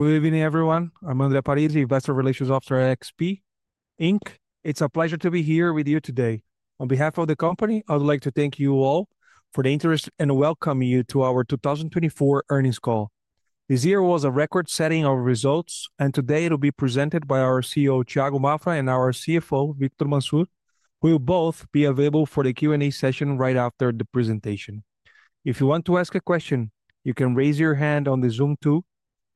Good evening, everyone. I'm André Parize, Investor Relations Officer at XP Inc. It's a pleasure to be here with you today. On behalf of the company, I'd like to thank you all for the interest and welcome you to our 2024 Earnings Call. This year was a record-setting of results, and today it will be presented by our CEO, Thiago Maffra, and our CFO, Victor Mansur, who will both be available for the Q&A session right after the presentation. If you want to ask a question, you can raise your hand on the Zoom tool,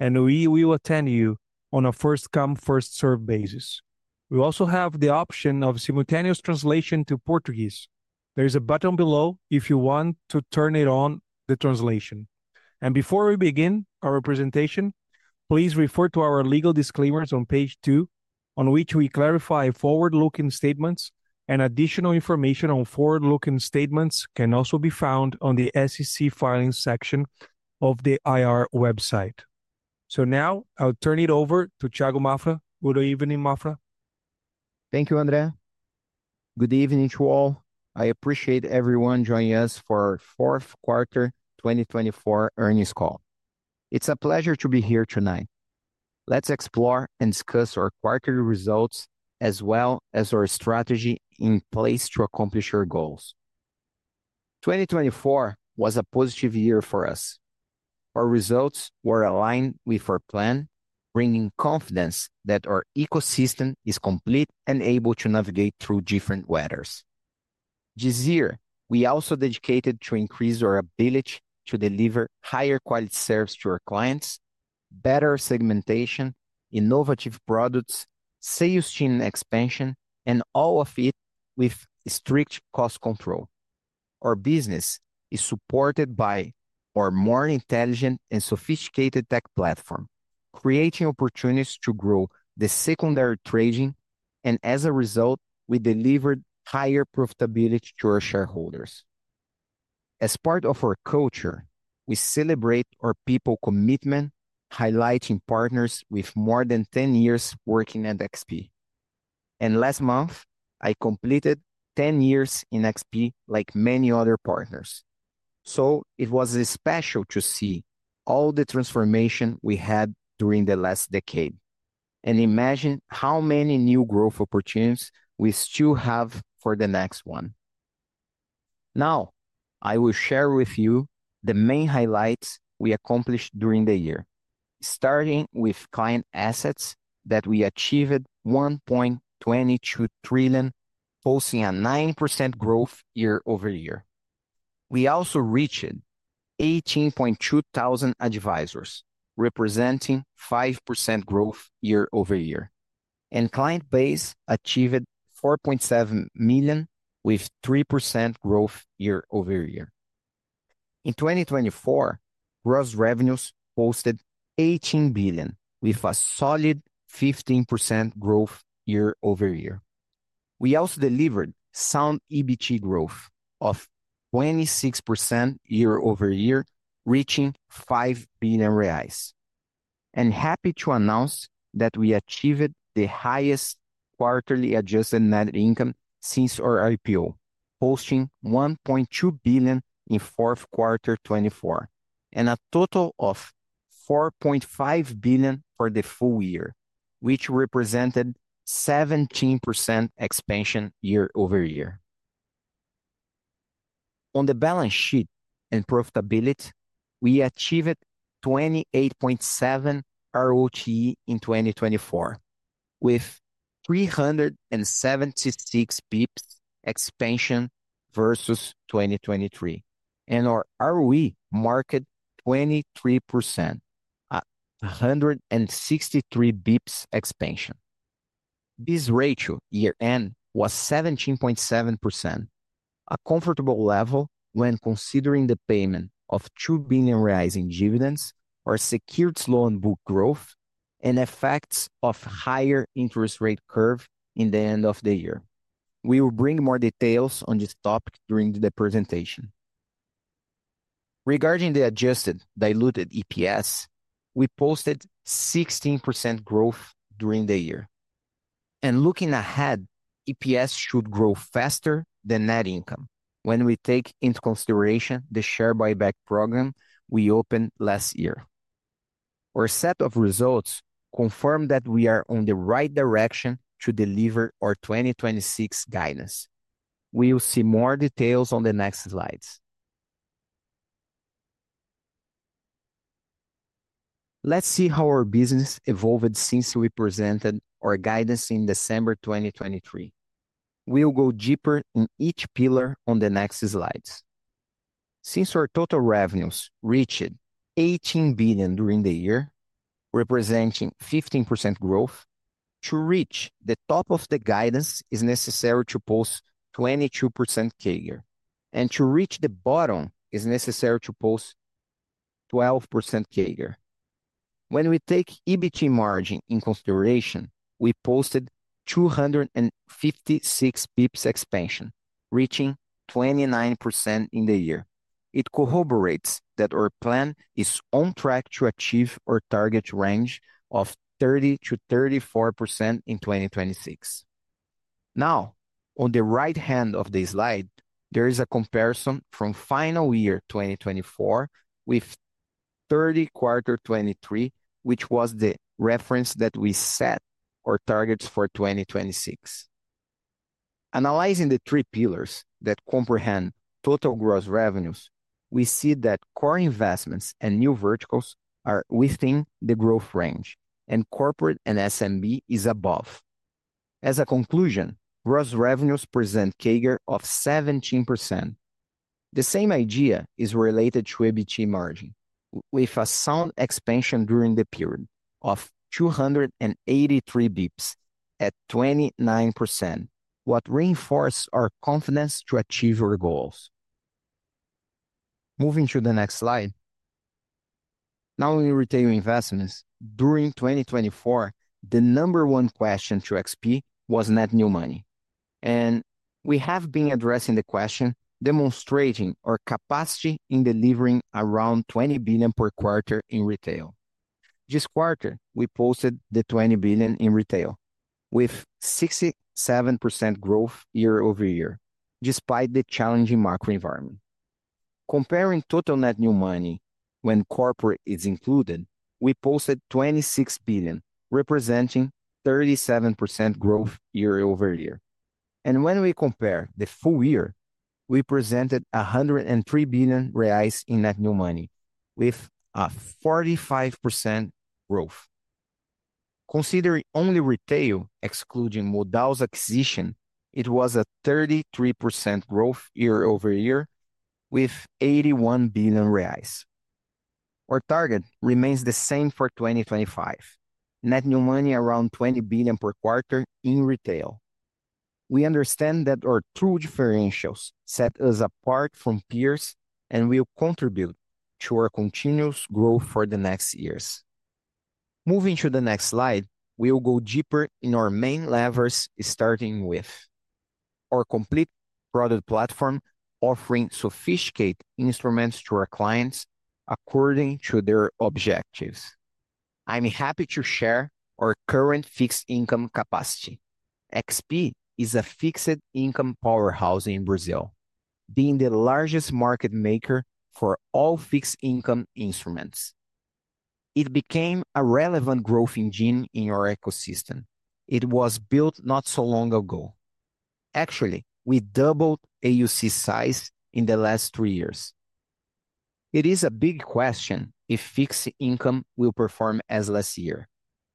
and we will attend you on a first-come, first-served basis. We also have the option of simultaneous translation to Portuguese. There is a button below if you want to turn it on, the translation. Before we begin our presentation, please refer to our legal disclaimers on page two, on which we clarify forward-looking statements, and additional information on forward-looking statements can also be found on the SEC filing section of the IR website. Now I'll turn it over to Thiago Maffra. Good evening, Maffra. Thank you, André. Good evening to all. I appreciate everyone joining us for our Fourth Quarter 2024 Earnings Call. It's a pleasure to be here tonight. Let's explore and discuss our quarterly results as well as our strategy in place to accomplish our goals. 2024 was a positive year for us. Our results were aligned with our plan, bringing confidence that our ecosystem is complete and able to navigate through different weathers. This year, we also dedicated to increase our ability to deliver higher quality service to our clients, better segmentation, innovative products, sales team expansion, and all of it with strict cost control. Our business is supported by our more intelligent and sophisticated tech platform, creating opportunities to grow the secondary trading, and as a result, we delivered higher profitability to our shareholders. As part of our culture, we celebrate our people's commitment, highlighting partners with more than 10 years working at XP. And last month, I completed 10 years in XP like many other partners. So it was special to see all the transformation we had during the last decade and imagine how many new growth opportunities we still have for the next one. Now, I will share with you the main highlights we accomplished during the year, starting with client assets that we achieved 1.22 trillion, posting a 9% growth year-over-year. We also reached 18,200 advisors, representing 5% growth year-over-year, and client base achieved 4.7 million with 3% growth year-over-year. In 2024, gross revenues posted 18 billion with a solid 15% growth year-over-year. We also delivered sound EBT growth of 26% year-over-year, reaching 5 billion reais. Happy to announce that we achieved the highest quarterly adjusted net income since our IPO, posting 1.2 billion BRL in fourth quarter 2024 and a total of 4.5 billion BRL for the full year, which represented 17% expansion year-over-year. On the balance sheet and profitability, we achieved 28.7% ROTE in 2024 with 376 bps expansion versus 2023, and our ROE marked 23%, 163 bps expansion. This ratio year-end was 17.7%, a comfortable level when considering the payment of 2 billion reais in dividends, our secured loan book growth, and effects of higher interest rate curve in the end of the year. We will bring more details on this topic during the presentation. Regarding the adjusted diluted EPS, we posted 16% growth during the year. Looking ahead, EPS should grow faster than net income when we take into consideration the share buyback program we opened last year. Our set of results confirms that we are on the right direction to deliver our 2026 guidance. We will see more details on the next slides. Let's see how our business evolved since we presented our guidance in December 2023. We'll go deeper in each pillar on the next slides. Since our total revenues reached 18 billion BRL during the year, representing 15% growth, to reach the top of the guidance is necessary to post 22% CAGR, and to reach the bottom is necessary to post 12% CAGR. When we take EBT margin in consideration, we posted 256 bps expansion, reaching 29% in the year. It corroborates that our plan is on track to achieve our target range of 30%-34% in 2026. Now, on the right hand of the slide, there is a comparison from fiscal year 2024 with third quarter 2023, which was the reference that we set our targets for 2026. Analyzing the three pillars that comprehend total gross revenues, we see that core investments and new verticals are within the growth range, and Corporate & SMB is above. As a conclusion, gross revenues present CAGR of 17%. The same idea is related to EBT margin, with a sound expansion during the period of 283 bps at 29%, what reinforced our confidence to achieve our goals. Moving to the next slide. Now, in Retail investments, during 2024, the number one question to XP was net new money, and we have been addressing the question, demonstrating our capacity in delivering around 20 billion per quarter in Retail. This quarter, we posted 20 billion in Retail with 67% growth year-over-year, despite the challenging macro environment. Comparing total net new money when Corporate is included, we posted 26 billion, representing 37% growth year-over-year, and when we compare the full year, we presented 103 billion reais in net new money with a 45% growth. Considering only Retail, excluding Modal's acquisition, it was a 33% growth year-over-year with 81 billion reais. Our target remains the same for 2025, net new money around 20 billion per quarter in Retail. We understand that our true differentials set us apart from peers and will contribute to our continuous growth for the next years. Moving to the next slide, we'll go deeper in our main levers, starting with our complete product platform, offering sophisticated instruments to our clients according to their objectives. I'm happy to share our current fixed income capacity. XP is a fixed income powerhouse in Brazil, being the largest market maker for all fixed income instruments. It became a relevant growth engine in our ecosystem. It was built not so long ago. Actually, we doubled AUC size in the last three years. It is a big question if fixed income will perform as last year.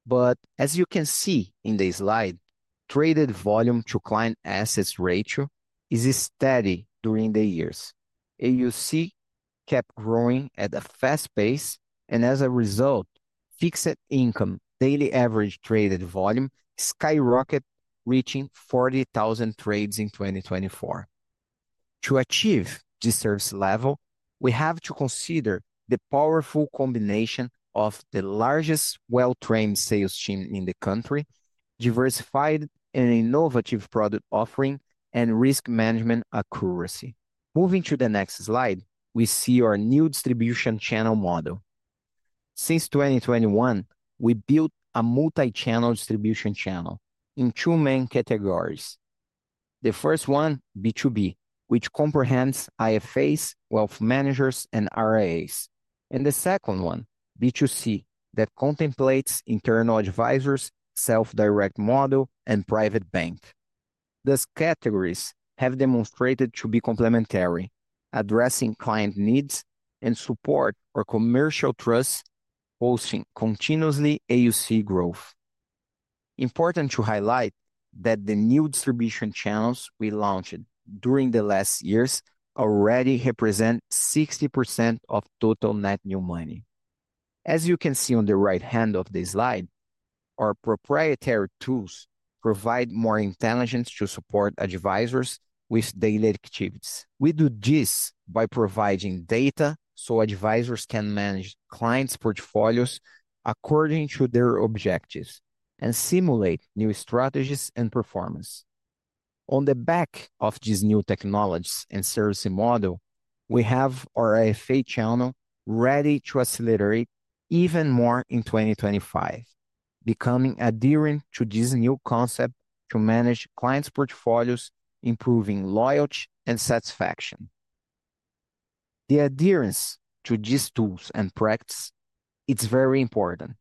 But as you can see in this slide, traded volume to client assets ratio is steady during the years. AUC kept growing at a fast pace, and as a result, fixed income daily average traded volume skyrocketed, reaching 40,000 trades in 2024. To achieve this service level, we have to consider the powerful combination of the largest well-trained sales team in the country, diversified and innovative product offering, and risk management accuracy. Moving to the next slide, we see our new distribution channel model. Since 2021, we built a multi-channel distribution channel in two main categories. The first one, B2B, which comprehends IFAs, wealth managers, and RIAs, and the second one, B2C, that contemplates internal advisors, self-direct model, and private bank. Those categories have demonstrated to be complementary, addressing client needs and support our commercial trusts, posting continuously AUC growth. Important to highlight that the new distribution channels we launched during the last years already represent 60% of total net new money. As you can see on the right hand of this slide, our proprietary tools provide more intelligence to support advisors with daily activities. We do this by providing data so advisors can manage clients' portfolios according to their objectives and simulate new strategies and performance. On the back of these new technologies and services model, we have our IFA channel ready to accelerate even more in 2025, becoming adherent to this new concept to manage clients' portfolios, improving loyalty and satisfaction. The adherence to these tools and practice, it's very important,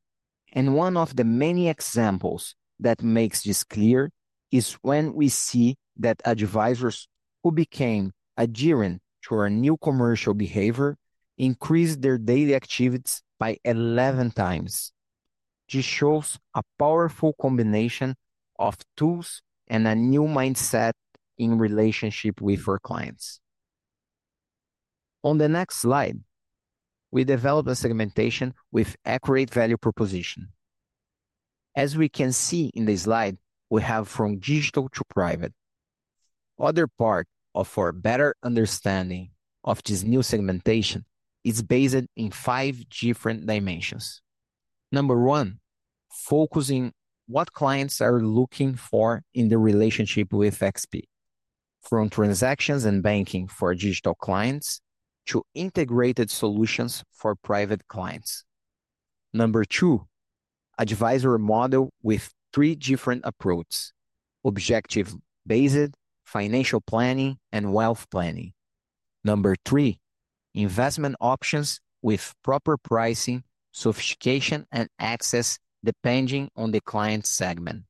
and one of the many examples that makes this clear is when we see that advisors who became adherent to our new commercial behavior increased their daily activities by 11 times. This shows a powerful combination of tools and a new mindset in relationship with our clients. On the next slide, we develop a segmentation with accurate value proposition. As we can see in this slide, we have from digital to private. Other part of our better understanding of this new segmentation is based in five different dimensions. Number one, focusing on what clients are looking for in the relationship with XP, from transactions and banking for digital clients to integrated solutions for private clients. Number two, advisory model with three different approaches: objective-based, financial planning, and wealth planning. Number three, investment options with proper pricing, sophistication, and access depending on the client segment.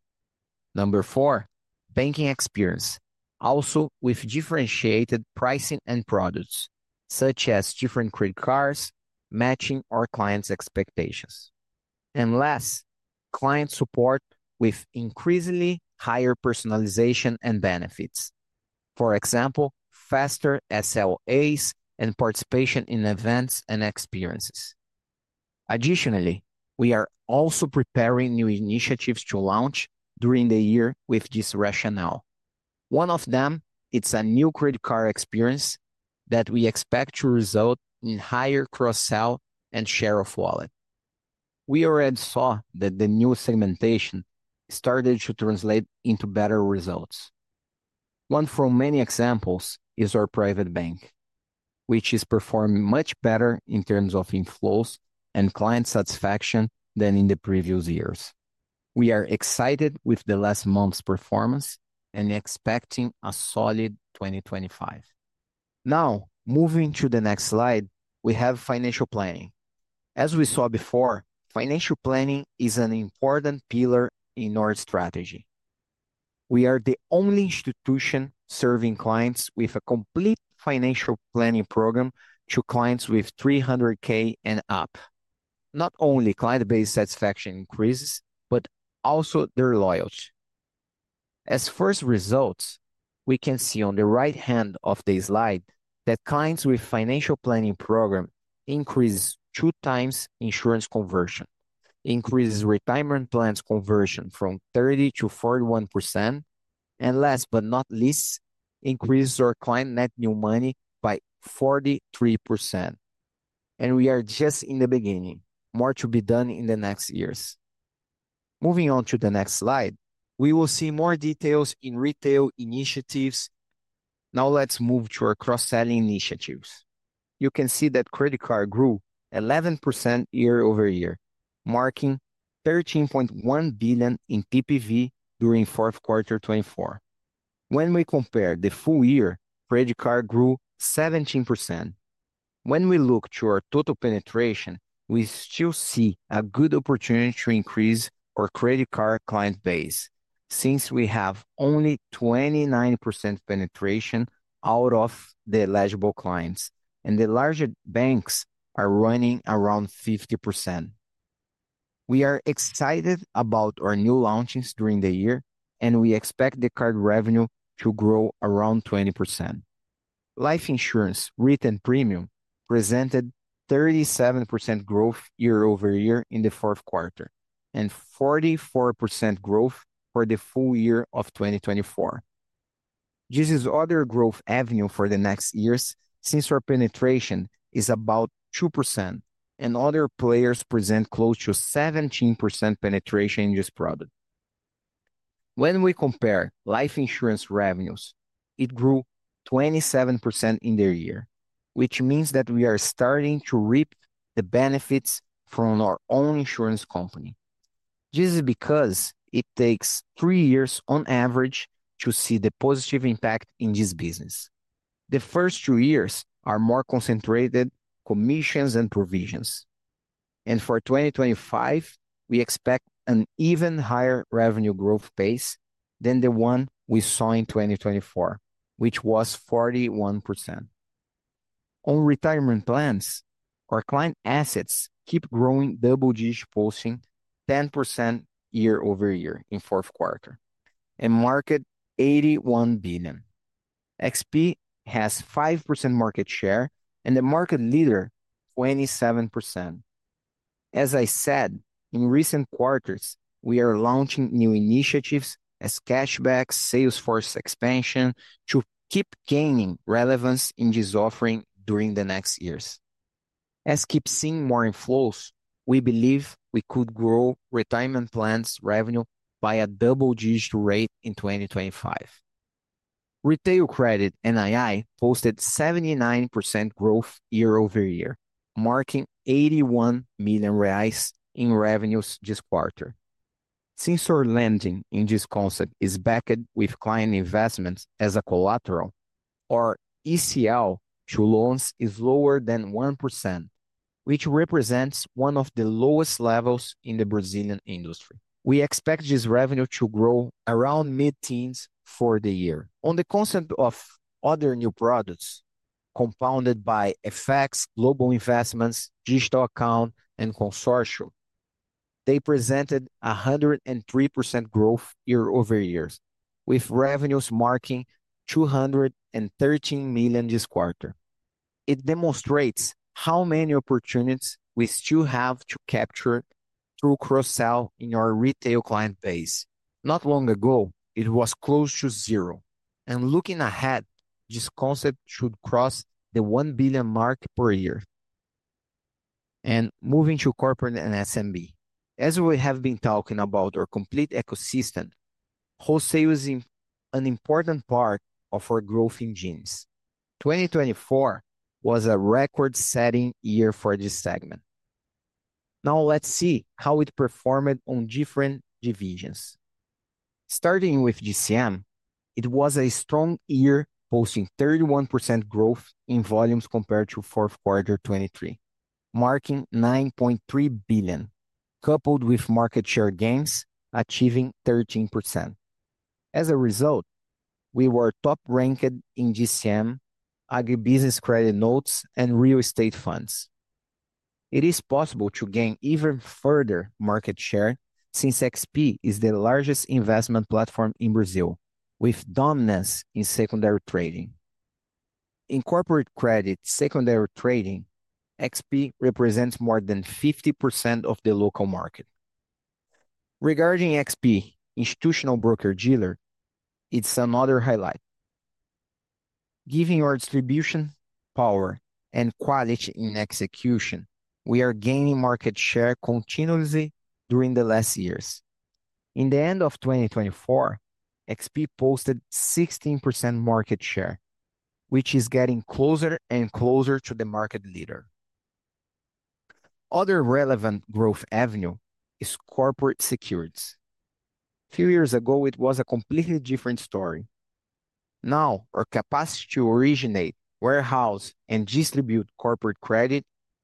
Number four, banking experience, also with differentiated pricing and products, such as different credit cards, matching our clients' expectations. And last, client support with increasingly higher personalization and benefits. For example, faster SLAs and participation in events and experiences. Additionally, we are also preparing new initiatives to launch during the year with this rationale. One of them, it's a new credit card experience that we expect to result in higher cross-sale and share of wallet. We already saw that the new segmentation started to translate into better results. One from many examples is our private bank, which is performing much better in terms of inflows and client satisfaction than in the previous years. We are excited with the last month's performance and expecting a solid 2025. Now, moving to the next slide, we have financial planning. As we saw before, financial planning is an important pillar in our strategy. We are the only institution serving clients with a complete financial planning program to clients with 300K and up. Not only client base satisfaction increases, but also their loyalty. As first results, we can see on the right hand of this slide that clients with financial planning program increases two times insurance conversion, increases retirement plans conversion from 30%-41%, and last but not least, increases our client net new money by 43%. We are just in the beginning, more to be done in the next years. Moving on to the next slide, we will see more details in Retail initiatives. Now let's move to our cross-selling initiatives. You can see that credit card grew 11% year-over-year, marking 13.1 billion in TPV during fourth quarter 2024. When we compare the full year, credit card grew 17%. When we look to our total penetration, we still see a good opportunity to increase our credit card client base since we have only 29% penetration out of the eligible clients, and the larger banks are running around 50%. We are excited about our new launches during the year, and we expect the card revenue to grow around 20%. Life insurance, written premium, presented 37% growth year-over-year in the fourth quarter and 44% growth for the full year of 2024. This is other growth avenue for the next years since our penetration is about 2%, and other players present close to 17% penetration in this product. When we compare life insurance revenues, it grew 27% in their year, which means that we are starting to reap the benefits from our own insurance company. This is because it takes three years on average to see the positive impact in this business. The first two years are more concentrated commissions and provisions, and for 2025, we expect an even higher revenue growth pace than the one we saw in 2024, which was 41%. On retirement plans, our client assets keep growing double-digit posting 10% year-over-year in fourth quarter and market 81 billion. XP has 5% market share and the market leader 27%. As I said, in recent quarters, we are launching new initiatives as cashback, sales force expansion to keep gaining relevance in this offering during the next years. As keep seeing more inflows, we believe we could grow retirement plans revenue by a double-digit rate in 2025. Retail credit NII posted 79% growth year-over-year, marking 81 million reais in revenues this quarter. Since our lending in this concept is backed with client investments as a collateral, our ECL to loans is lower than 1%, which represents one of the lowest levels in the Brazilian industry. We expect this revenue to grow around mid-teens for the year. On the concept of other new products compounded by FX, global investments, digital account, and consortium, they presented 103% growth year-over-year with revenues marking 213 million BRL this quarter. It demonstrates how many opportunities we still have to capture through cross-sell in our retail client base. Not long ago, it was close to zero. And looking ahead, this concept should cross the 1 billion mark per year. And moving to Corporate & SMB, as we have been talking about our complete ecosystem, wholesale is an important part of our growth engines. 2024 was a record-setting year for this segment. Now let's see how it performed on different divisions. Starting with DCM, it was a strong year posting 31% growth in volumes compared to fourth quarter 2023, marking 9.3 billion, coupled with market share gains achieving 13%. As a result, we were top-ranked in DCM, Agribusiness Credit Notes, and Real Estate Funds. It is possible to gain even further market share since XP is the largest investment platform in Brazil, with dominance in secondary trading. In corporate credit secondary trading, XP represents more than 50% of the local market. Regarding XP Institutional Broker-Dealer, it's another highlight. Given our distribution power and quality in execution, we are gaining market share continuously during the last years. In the end of 2024, XP posted 16% market share, which is getting closer and closer to the market leader. Other relevant growth avenue is corporate securities. A few years ago, it was a completely different story. Now, our capacity to originate, warehouse, and distribute corporate credit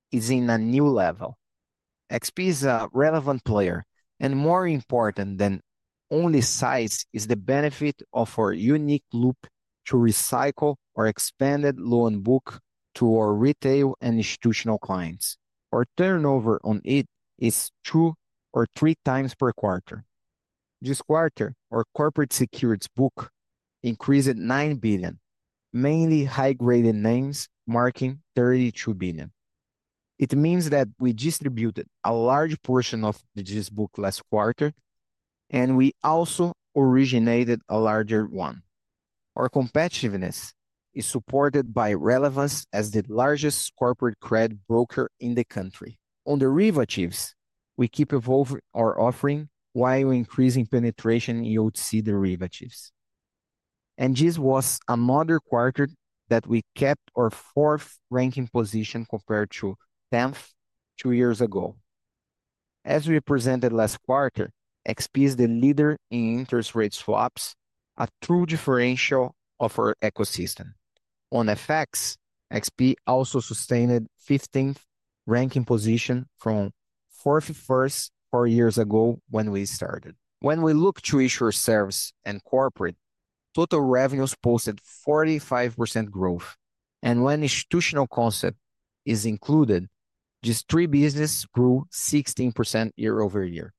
is in a new level. XP is a relevant player, and more important than only size is the benefit of our unique loop to recycle our expanded loan book to our retail and institutional clients. Our turnover on it is two or three times per quarter. This quarter, our corporate securities book increased at 9 billion, mainly high-graded names marking 32 billion. It means that we distributed a large portion of this book last quarter, and we also originated a larger one. Our competitiveness is supported by relevance as the largest corporate credit broker in the country. On derivatives, we keep evolving our offering while increasing penetration in OTC derivatives. And this was another quarter that we kept our fourth-ranking position compared to 10th two years ago. As we presented last quarter, XP is the leader in interest rate swaps, a true differential of our ecosystem. On FX, XP also sustained a 15th-ranking position from 41st four years ago when we started. When we look Issuer Services and corporate, total revenues posted 45% growth. And when institutional concept is included, these three businesses grew 16% year-over-year.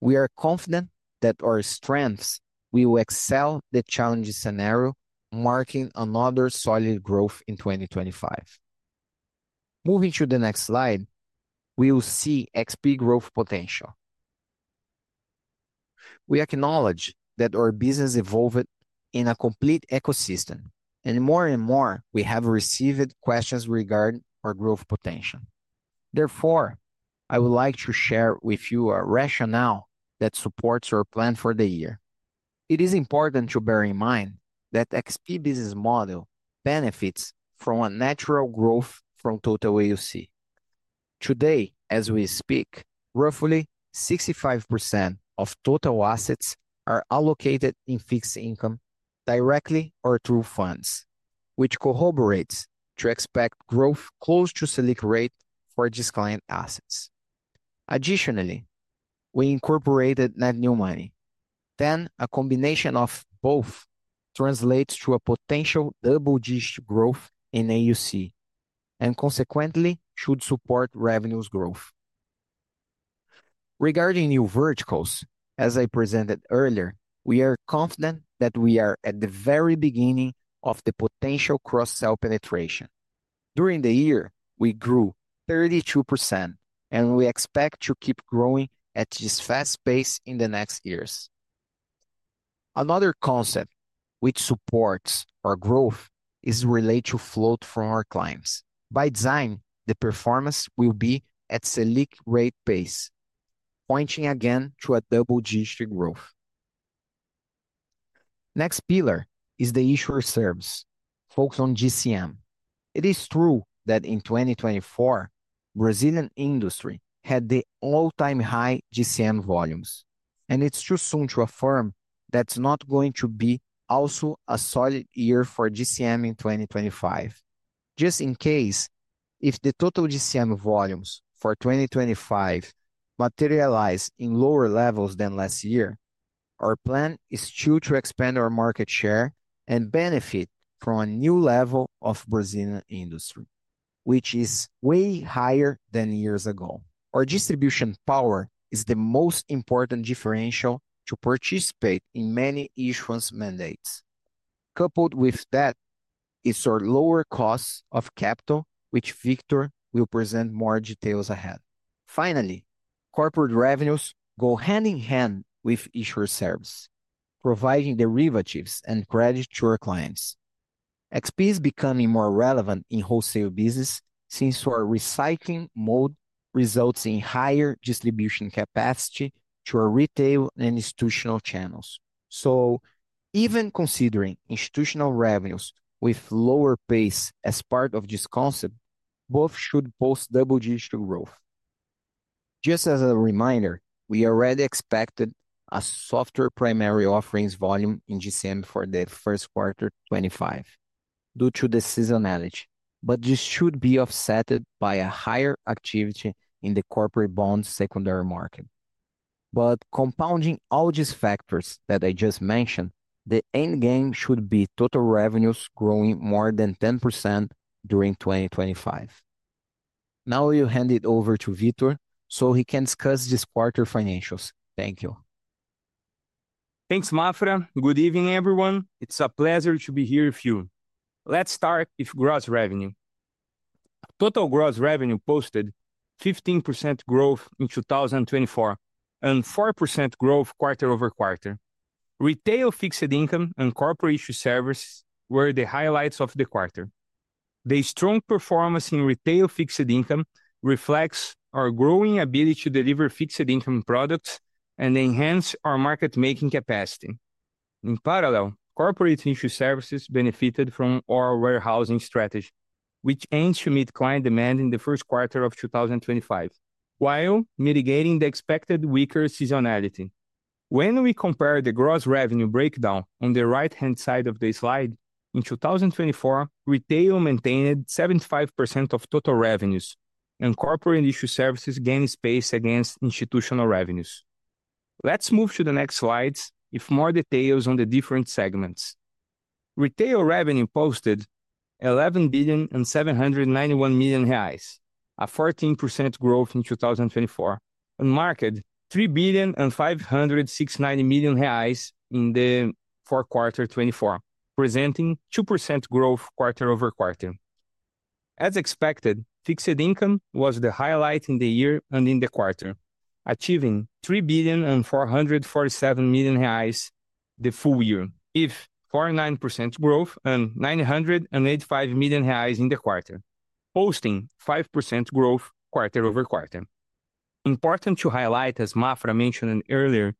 We are confident that our strengths will excel the challenging scenario, marking another solid growth in 2025. Moving to the next slide, we will see XP growth potential. We acknowledge that our business evolved in a complete ecosystem, and more and more we have received questions regarding our growth potential. Therefore, I would like to share with you a rationale that supports our plan for the year. It is important to bear in mind that XP business model benefits from a natural growth from total AUC. Today, as we speak, roughly 65% of total assets are allocated in fixed income directly or through funds, which corroborates to expect growth close to SELIC rate for these client assets. Additionally, we incorporated net new money. Then, a combination of both translates to a potential double-digit growth in AUC and consequently should support revenues growth. Regarding new verticals, as I presented earlier, we are confident that we are at the very beginning of the potential cross-sell penetration. During the year, we grew 32%, and we expect to keep growing at this fast pace in the next years. Another concept which supports our growth is related to float from our clients. By design, the performance will be at SELIC rate pace, pointing again to a double-digit growth. Next pillar is the issuer service, focused on DCM. It is true that in 2024, Brazilian industry had the all-time high DCM volumes, and it's too soon to affirm that's not going to be also a solid year for DCM in 2025. Just in case, if the total DCM volumes for 2025 materialize in lower levels than last year, our plan is still to expand our market share and benefit from a new level of Brazilian industry, which is way higher than years ago. Our distribution power is the most important differential to participate in many issuance mandates. Coupled with that is our lower cost of capital, which Victor will present more details ahead. Finally, corporate revenues go hand in hand with issuer service, providing derivatives and credit to our clients. XP is becoming more relevant in wholesale business since our recycling mode results in higher distribution capacity to our retail and institutional channels. So, even considering institutional revenues with lower pace as part of this concept, both should post double-digit growth. Just as a reminder, we already expected a softer primary offerings volume in DCM for the first quarter 2025 due to the seasonality, but this should be offset by a higher activity in the corporate bond secondary market, but compounding all these factors that I just mentioned, the end game should be total revenues growing more than 10% during 2025. Now we'll hand it over to Victor so he can discuss this quarter financials. Thank you. Thanks, Maffra. Good evening, everyone. It's a pleasure to be here with you. Let's start with gross revenue. Total gross revenue posted 15% growth in 2024 and 4% growth quarter-over-quarter. Retail Fixed Income Corporate & Issuer Services were the highlights of the quarter. The strong performance in Retail Fixed Income reflects our growing ability to deliver fixed income products and enhance our market-making capacity. In Corporate & Issuer Services benefited from our warehousing strategy, which aims to meet client demand in the first quarter of 2025 while mitigating the expected weaker seasonality. When we compare the gross revenue breakdown on the right-hand side of the slide, in 2024, retail maintained 75% of total revenues, Corporate & Issuer Services gained space against institutional revenues. Let's move to the next slides with more details on the different segments. Retail revenue posted 11 billion and 791 million, a 14% growth in 2024, and market 3 billion and 569 million in the fourth quarter 2024, presenting 2% growth quarter-over-quarter. As expected, fixed income was the highlight in the year and in the quarter, achieving 3 billion and 447 million the full year, with 49% growth and 985 million reais in the quarter, posting 5% growth quarter-over-quarter. Important to highlight, as Maffra mentioned earlier,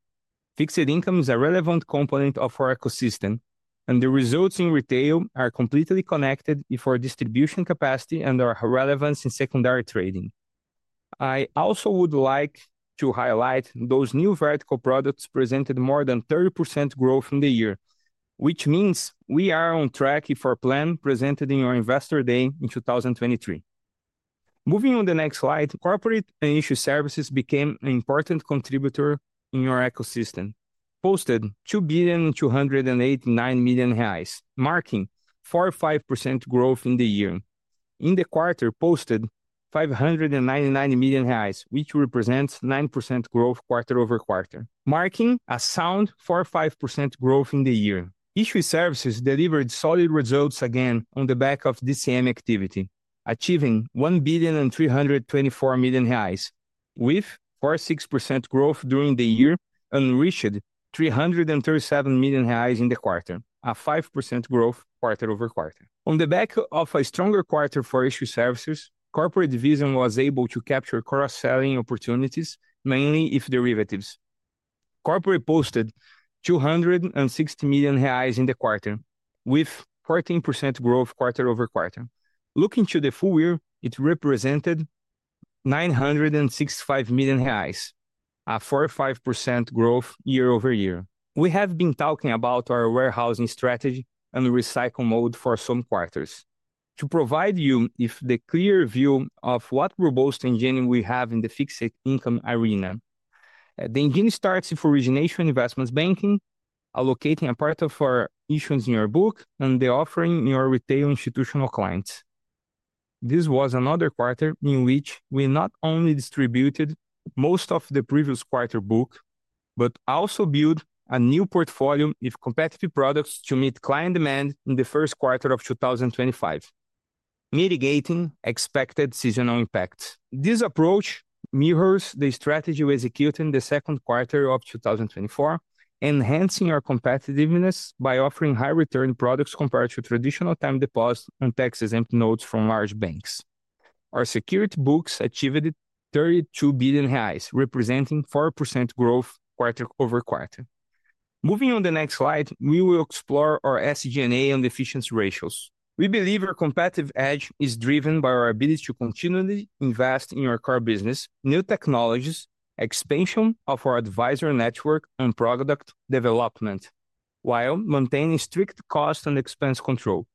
fixed income is a relevant component of our ecosystem, and the results in retail are completely connected to our distribution capacity and our relevance in secondary trading. I also would like to highlight those new vertical products presented more than 30% growth in the year, which means we are on track with our plan presented in our Investor Day in 2023. Moving on to the next slide, Corporate & Issuer Services became an important contributor in our ecosystem, posted 2 billion and 289 million reais, marking 45% growth in the year. In the quarter, posted 599 million reais, which represents 9% growth quarter-over-quarter, marking a sound 45% growth in the year. Issuer Services delivered solid results again on the back of DCM activity, achieving 1 billion and 324 million reais, with 46% growth during the year and reached 337 million reais in the quarter, a 5% growth quarter-over-quarter. On the back of a stronger quarter Issuer Services, Corporate division was able to capture cross-selling opportunities, mainly in derivatives. Corporate posted 260 million reais in the quarter, with 14% growth quarter-over-quarter. Looking to the full year, it represented 965 million reais, a 45% growth year-over-year. We have been talking about our warehousing strategy and recycle mode for some quarters. To provide you with the clear view of what robust engine we have in the fixed income arena, the engine starts with origination investment banking, allocating a part of our issues in your book and the offering in our retail institutional clients. This was another quarter in which we not only distributed most of the previous quarter book, but also built a new portfolio of competitive products to meet client demand in the first quarter of 2025, mitigating expected seasonal impacts. This approach mirrors the strategy we executed in the second quarter of 2024, enhancing our competitiveness by offering high-return products compared to traditional time deposit and tax-exempt notes from large banks. Our security books achieved 32 billion reais, representing 4% growth quarter-over-quarter. Moving on to the next slide, we will explore our SG&A and efficiency ratios. We believe our competitive edge is driven by our ability to continually invest in our core business, new technologies, expansion of our advisor network, and product development while maintaining strict cost and expense control.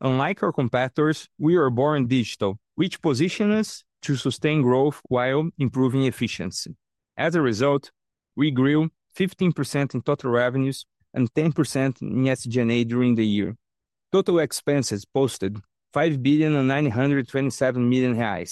Unlike our competitors, we are born digital, which positions us to sustain growth while improving efficiency. As a result, we grew 15% in total revenues and 10% in SG&A during the year. Total expenses posted 5 billion and 927 million.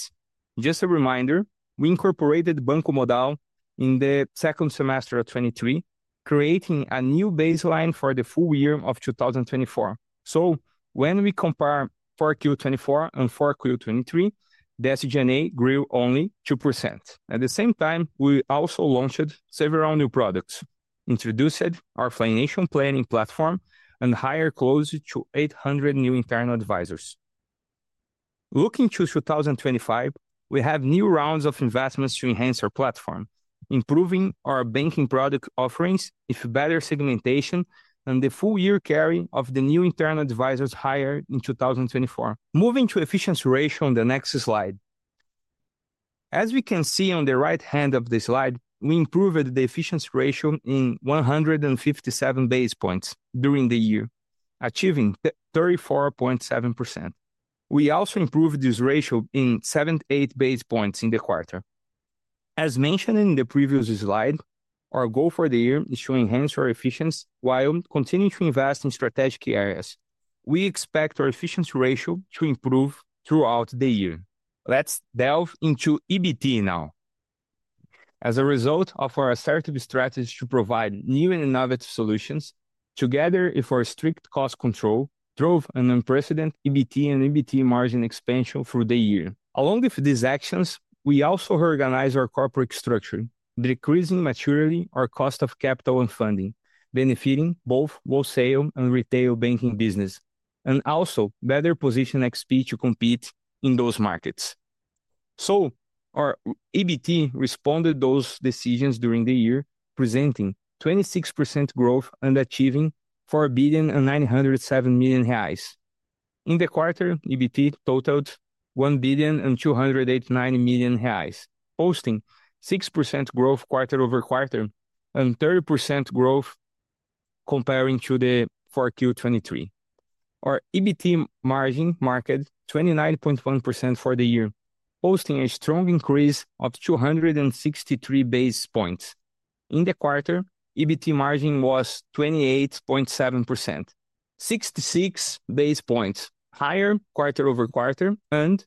Just a reminder, we incorporated Banco Modal in the second semester of 2023, creating a new baseline for the full year of 2024. So, when we compare 4Q24 and 4Q23, the SG&A grew only 2%. At the same time, we also launched several new products, introduced our financial planning platform, and hired close to 800 new internal advisors. Looking to 2025, we have new rounds of investments to enhance our platform, improving our banking product offerings with better segmentation and the full year carry of the new internal advisors hired in 2024. Moving to efficiency ratio on the next slide. As we can see on the right hand of the slide, we improved the efficiency ratio in 157 basis points during the year, achieving 34.7%. We also improved this ratio in 78 basis points in the quarter. As mentioned in the previous slide, our goal for the year is to enhance our efficiency while continuing to invest in strategic areas. We expect our efficiency ratio to improve throughout the year. Let's delve into EBT now. As a result of our assertive strategy to provide new and innovative solutions, together with our strict cost control, drove an unprecedented EBT and EBT margin expansion through the year. Along with these actions, we also organized our corporate structure, decreasing materially our cost of capital and funding, benefiting both wholesale and retail banking business, and also better positioning XP to compete in those markets. So, our EBT responded to those decisions during the year, presenting 26% growth and achieving 4 billion and 907 million reais. In the quarter, EBT totaled 1 billion and 289 million reais, posting 6% growth quarter-over-quarter and 30% growth comparing to the 4Q23. Our EBT margin margined 29.1% for the year, posting a strong increase of 263 basis points. In the quarter, EBT margin was 28.7%, 66 basis points higher quarter-over-quarter, and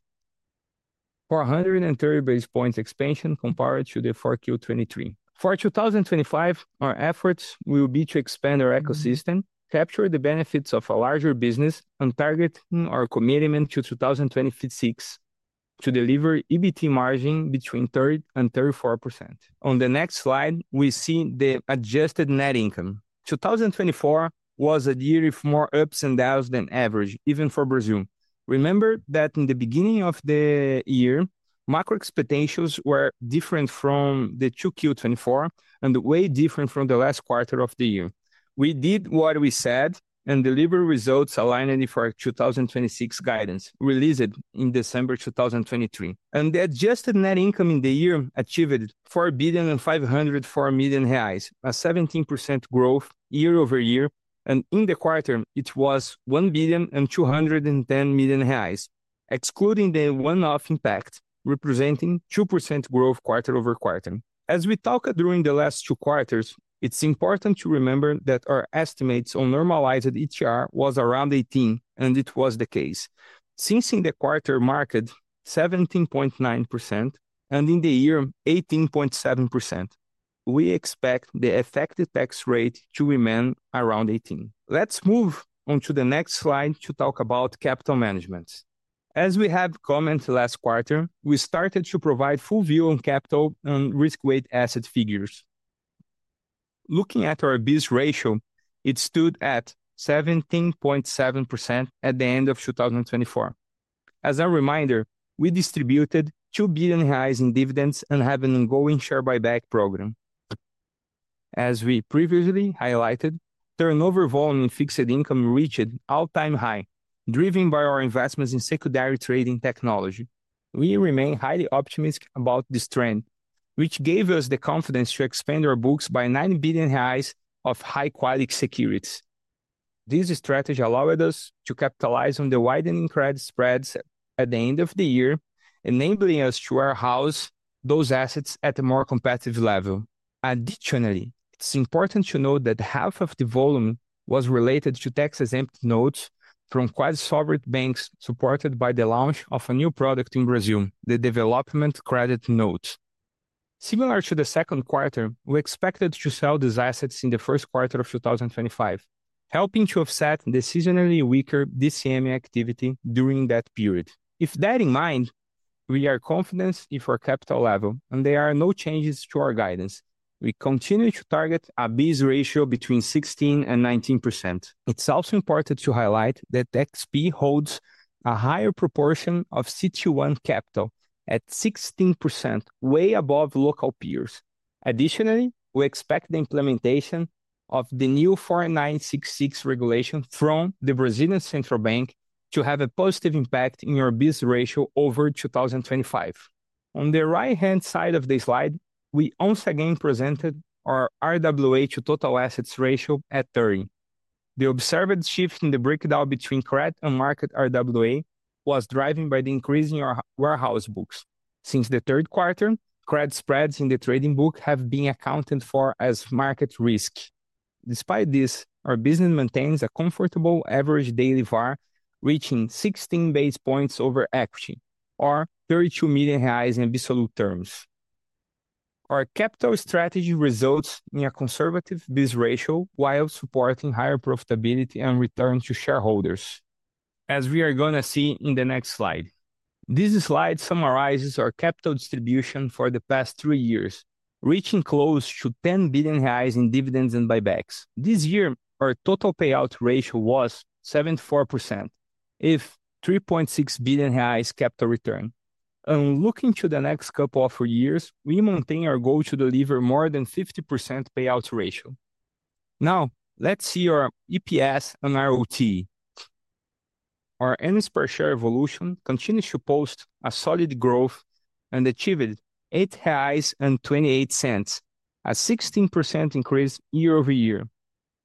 430 basis points expansion compared to the 4Q23. For 2025, our efforts will be to expand our ecosystem, capture the benefits of a larger business, and target our commitment to 2026 to deliver EBT margin between 30% and 34%. On the next slide, we see the adjusted net income. 2024 was a year with more ups and downs than average, even for Brazil. Remember that in the beginning of the year, macro expectations were different from the 2Q24 and way different from the last quarter of the year. We did what we said and delivered results aligning for our 2026 guidance released in December 2023, and the adjusted net income in the year achieved 4 billion and 504 million, a 17% growth year-over-year, and in the quarter, it was 1 billion and 210 million, excluding the one-off impact representing 2% growth quarter-over-quarter. As we talked during the last two quarters, it's important to remember that our estimates on normalized ETR was around 18, and it was the case. Since in the quarter marked 17.9% and in the year 18.7%, we expect the effective tax rate to remain around 18%. Let's move on to the next slide to talk about capital management. As we have commented last quarter, we started to provide full view on capital and risk-weighted asset figures. Looking at our BIS ratio, it stood at 17.7% at the end of 2024. As a reminder, we distributed 2 billion reais in dividends and have an ongoing share buyback program. As we previously highlighted, turnover volume in fixed income reached an all-time high, driven by our investments in secondary trading technology. We remain highly optimistic about this trend, which gave us the confidence to expand our books by 9 billion reais of high-quality securities. This strategy allowed us to capitalize on the widening credit spreads at the end of the year, enabling us to warehouse those assets at a more competitive level. Additionally, it's important to note that half of the volume was related to tax-exempt notes from quasi-sovereign banks supported by the launch of a new product in Brazil, the Development Credit Note. Similar to the second quarter, we expected to sell these assets in the first quarter of 2025, helping to offset the seasonally weaker DCM activity during that period. With that in mind, we are confident in our capital level, and there are no changes to our guidance. We continue to target a BIS ratio between 16% and 19%. It's also important to highlight that XP holds a higher proportion of CET1 capital at 16%, way above local peers. Additionally, we expect the implementation of the new 4966 regulation from the Brazilian Central Bank to have a positive impact on our BIS ratio over 2025. On the right-hand side of the slide, we once again presented our RWA to total assets ratio at 30%. The observed shift in the breakdown between credit and market RWA was driven by the increase in our warehouse books. Since the third quarter, credit spreads in the trading book have been accounted for as market risk. Despite this, our business maintains a comfortable average daily VaR, reaching 16 basis points over equity, or 32 million reais in absolute terms. Our capital strategy results in a conservative BIS ratio while supporting higher profitability and return to shareholders, as we are going to see in the next slide. This slide summarizes our capital distribution for the past three years, reaching close to 10 billion reais in dividends and buybacks. This year, our total payout ratio was 74%, with 3.6 billion reais capital return. Looking to the next couple of years, we maintain our goal to deliver more than 50% payout ratio. Now, let's see our EPS and ROTE. Our EPS per share evolution continues to post a solid growth and achieved 8.28, a 16% increase year-over-year.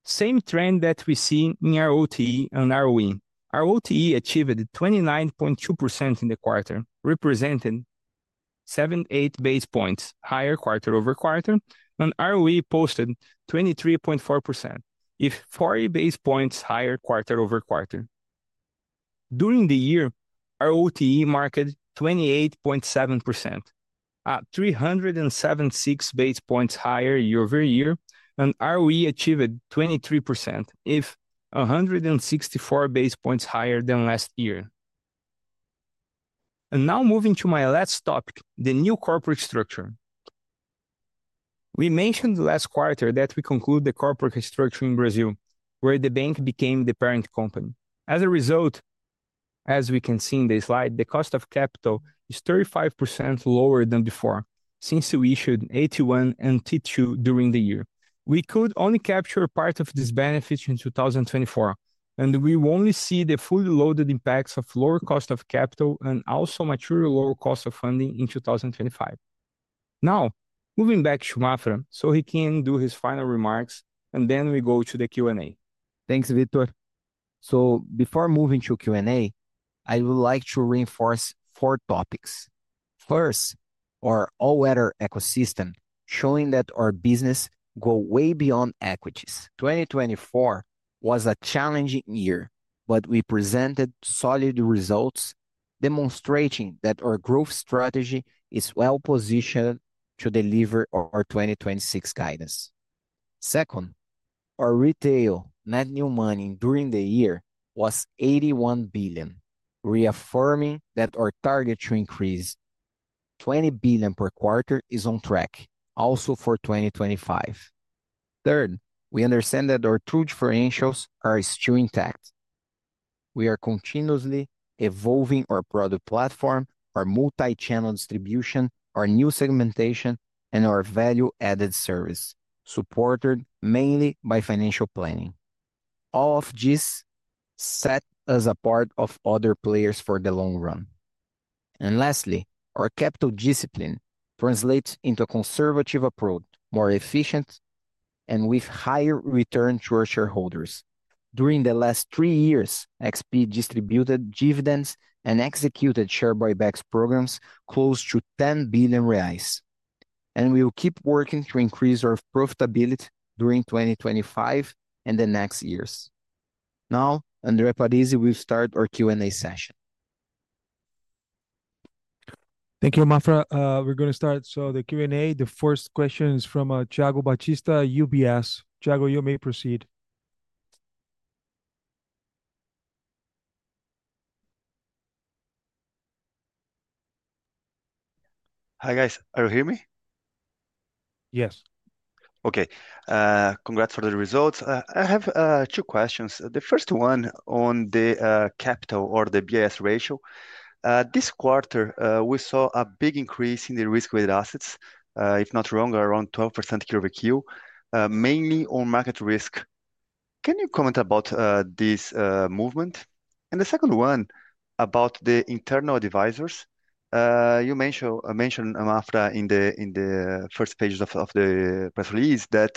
Same trend that we see in ROTE and ROE. ROTE achieved 29.2% in the quarter, representing 78 basis points higher quarter-over-quarter, and ROE posted 23.4%, with 40 basis points higher quarter-over-quarter. During the year, ROTE was 28.7%, at 376 basis points higher year-over-year, and ROE achieved 23%, with 164 basis points higher than last year. And now moving to my last topic, the new corporate structure. We mentioned last quarter that we concluded the corporate structure in Brazil, where the bank became the parent company. As a result, as we can see in this slide, the cost of capital is 35% lower than before since we issued AT1 and T2 during the year. We could only capture part of this benefit in 2024, and we will only see the fully loaded impacts of lower cost of capital and also material lower cost of funding in 2025. Now, moving back to Maffra so he can do his final remarks, and then we go to the Q&A. Thanks, Victor. So before moving to Q&A, I would like to reinforce four topics. First, our all-weather ecosystem, showing that our business goes way beyond equities. 2024 was a challenging year, but we presented solid results, demonstrating that our growth strategy is well-positioned to deliver our 2026 guidance. Second, our retail net new money during the year was 81 billion, reaffirming that our target to increase 20 billion per quarter is on track, also for 2025. Third, we understand that our two differentials are still intact. We are continuously evolving our product platform, our multi-channel distribution, our new segmentation, and our value-added service, supported mainly by financial planning. All of this sets us apart from other players for the long run. And lastly, our capital discipline translates into a conservative approach, more efficient, and with higher returns to our shareholders. During the last three years, XP distributed dividends and executed share buyback programs close to 10 billion reais. And we will keep working to increase our profitability during 2025 and the next years. Now, Álvaro Guedes, we'll start our Q&A session. Thank you, Maffra. We're going to start. So the Q&A, the first question is from Thiago Batista, UBS. Thiago, you may proceed. Hi guys, are you hearing me? Yes. Okay, congrats for the results. I have two questions. The first one on the capital or the BIS ratio. This quarter, we saw a big increase in the risk-weighted assets, if not wrong, around 12% year-over-year, mainly on market risk. Can you comment about this movement? And the second one about the internal advisors. You mentioned, Maffra, in the first pages of the press release that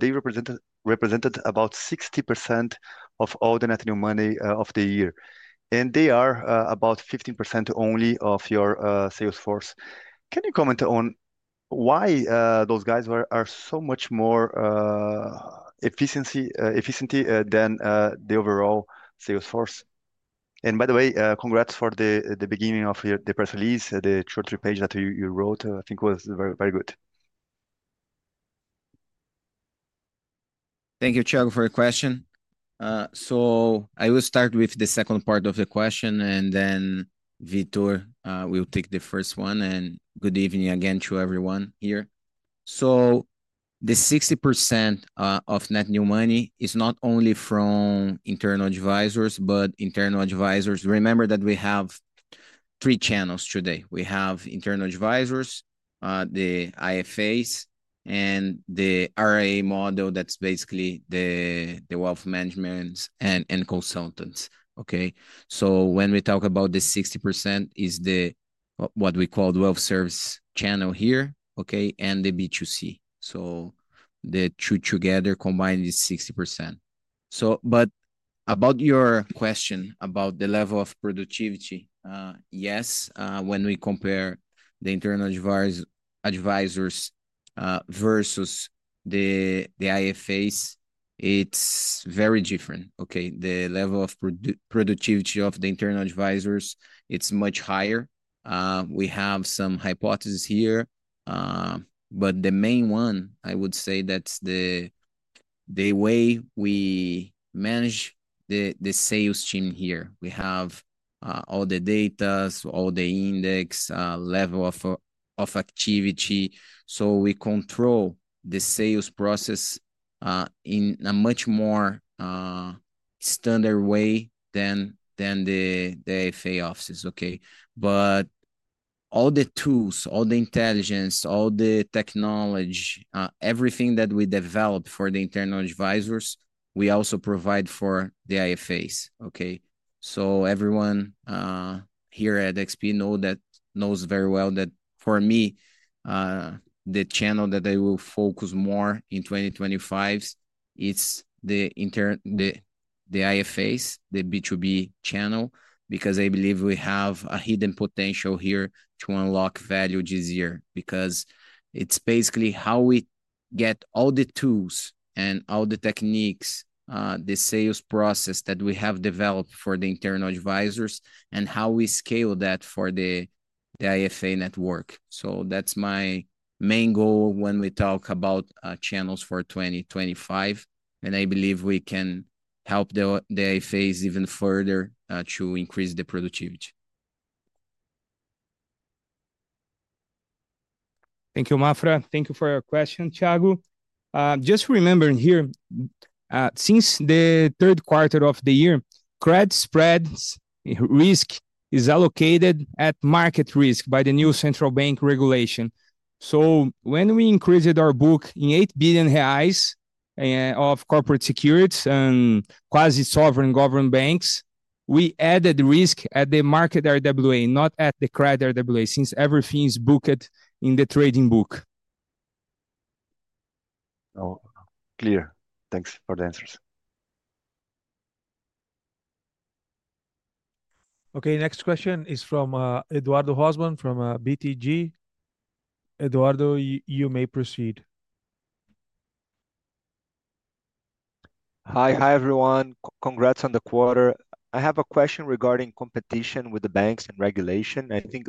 they represented about 60% of all the net new money of the year, and they are about 15% only of your sales force. Can you comment on why those guys are so much more efficient than the overall sales force? By the way, congrats for the beginning of the press release, the short three pages that you wrote. I think it was very, very good. Thank you, Thiago, for your question. So I will start with the second part of the question, and then Victor will take the first one. Good evening again to everyone here. The 60% of net new money is not only from internal advisors, but internal advisors. Remember that we have three channels today. We have internal advisors, the IFAs, and the RIA model that's basically the wealth management and consultants. Okay, so when we talk about the 60%, it's what we call the wealth service channel here, okay, and the B2C. So the two together combine this 60%. But about your question about the level of productivity, yes, when we compare the internal advisors versus the IFAs, it's very different. Okay, the level of productivity of the internal advisors, it's much higher. We have some hypotheses here, but the main one, I would say, that's the way we manage the sales team here. We have all the data, all the index, level of activity. So we control the sales process in a much more standard way than the IFA offices. Okay, but all the tools, all the intelligence, all the technology, everything that we developed for the internal advisors, we also provide for the IFAs. Okay, so everyone here at XP knows very well that for me, the channel that I will focus more in 2025 is the IFAs, the B2B channel, because I believe we have a hidden potential here to unlock value this year, because it's basically how we get all the tools and all the techniques, the sales process that we have developed for the internal advisors and how we scale that for the IFA network. So that's my main goal when we talk about channels for 2025, and I believe we can help the IFAs even further to increase the productivity. Thank you, Maffra. Thank you for your question, Thiago. Just remembering here, since the third quarter of the year, credit spreads risk is allocated at market risk by the new central bank regulation. So when we increased our book in 8 billion reais and of corporate securities and quasi-sovereign government banks, we added risk at the market RWA, not at the credit RWA, since everything is booked in the trading book. Clear. Thanks for the answers. Okay, next question is from Eduardo Rosman from BTG. Eduardo, you may proceed. Hi, hi everyone. Congrats on the quarter. I have a question regarding competition with the banks and regulation. I think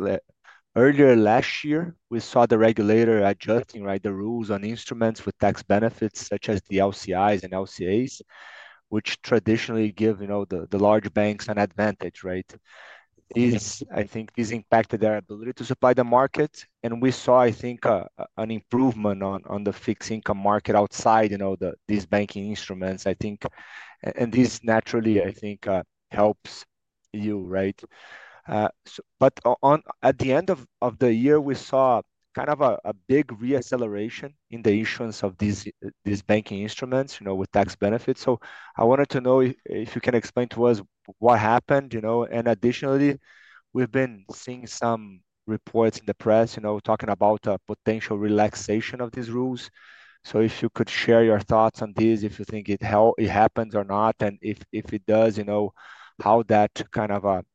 earlier last year, we saw the regulator adjusting, right, the rules on instruments with tax benefits such as the LCIs and LCAs, which traditionally give, you know, the large banks an advantage, right? These, I think, impacted their ability to supply the market, and we saw, I think, an improvement on the fixed income market outside, you know, these banking instruments, I think, and this naturally, I think, helps you, right? But at the end of the year, we saw kind of a big reacceleration in the issuance of these banking instruments, you know, with tax benefits. So I wanted to know if you can explain to us what happened, you know, and additionally, we've been seeing some reports in the press, you know, talking about a potential relaxation of these rules. So if you could share your thoughts on this, if you think it helps, it happens or not, and if it does, you know, how that kind of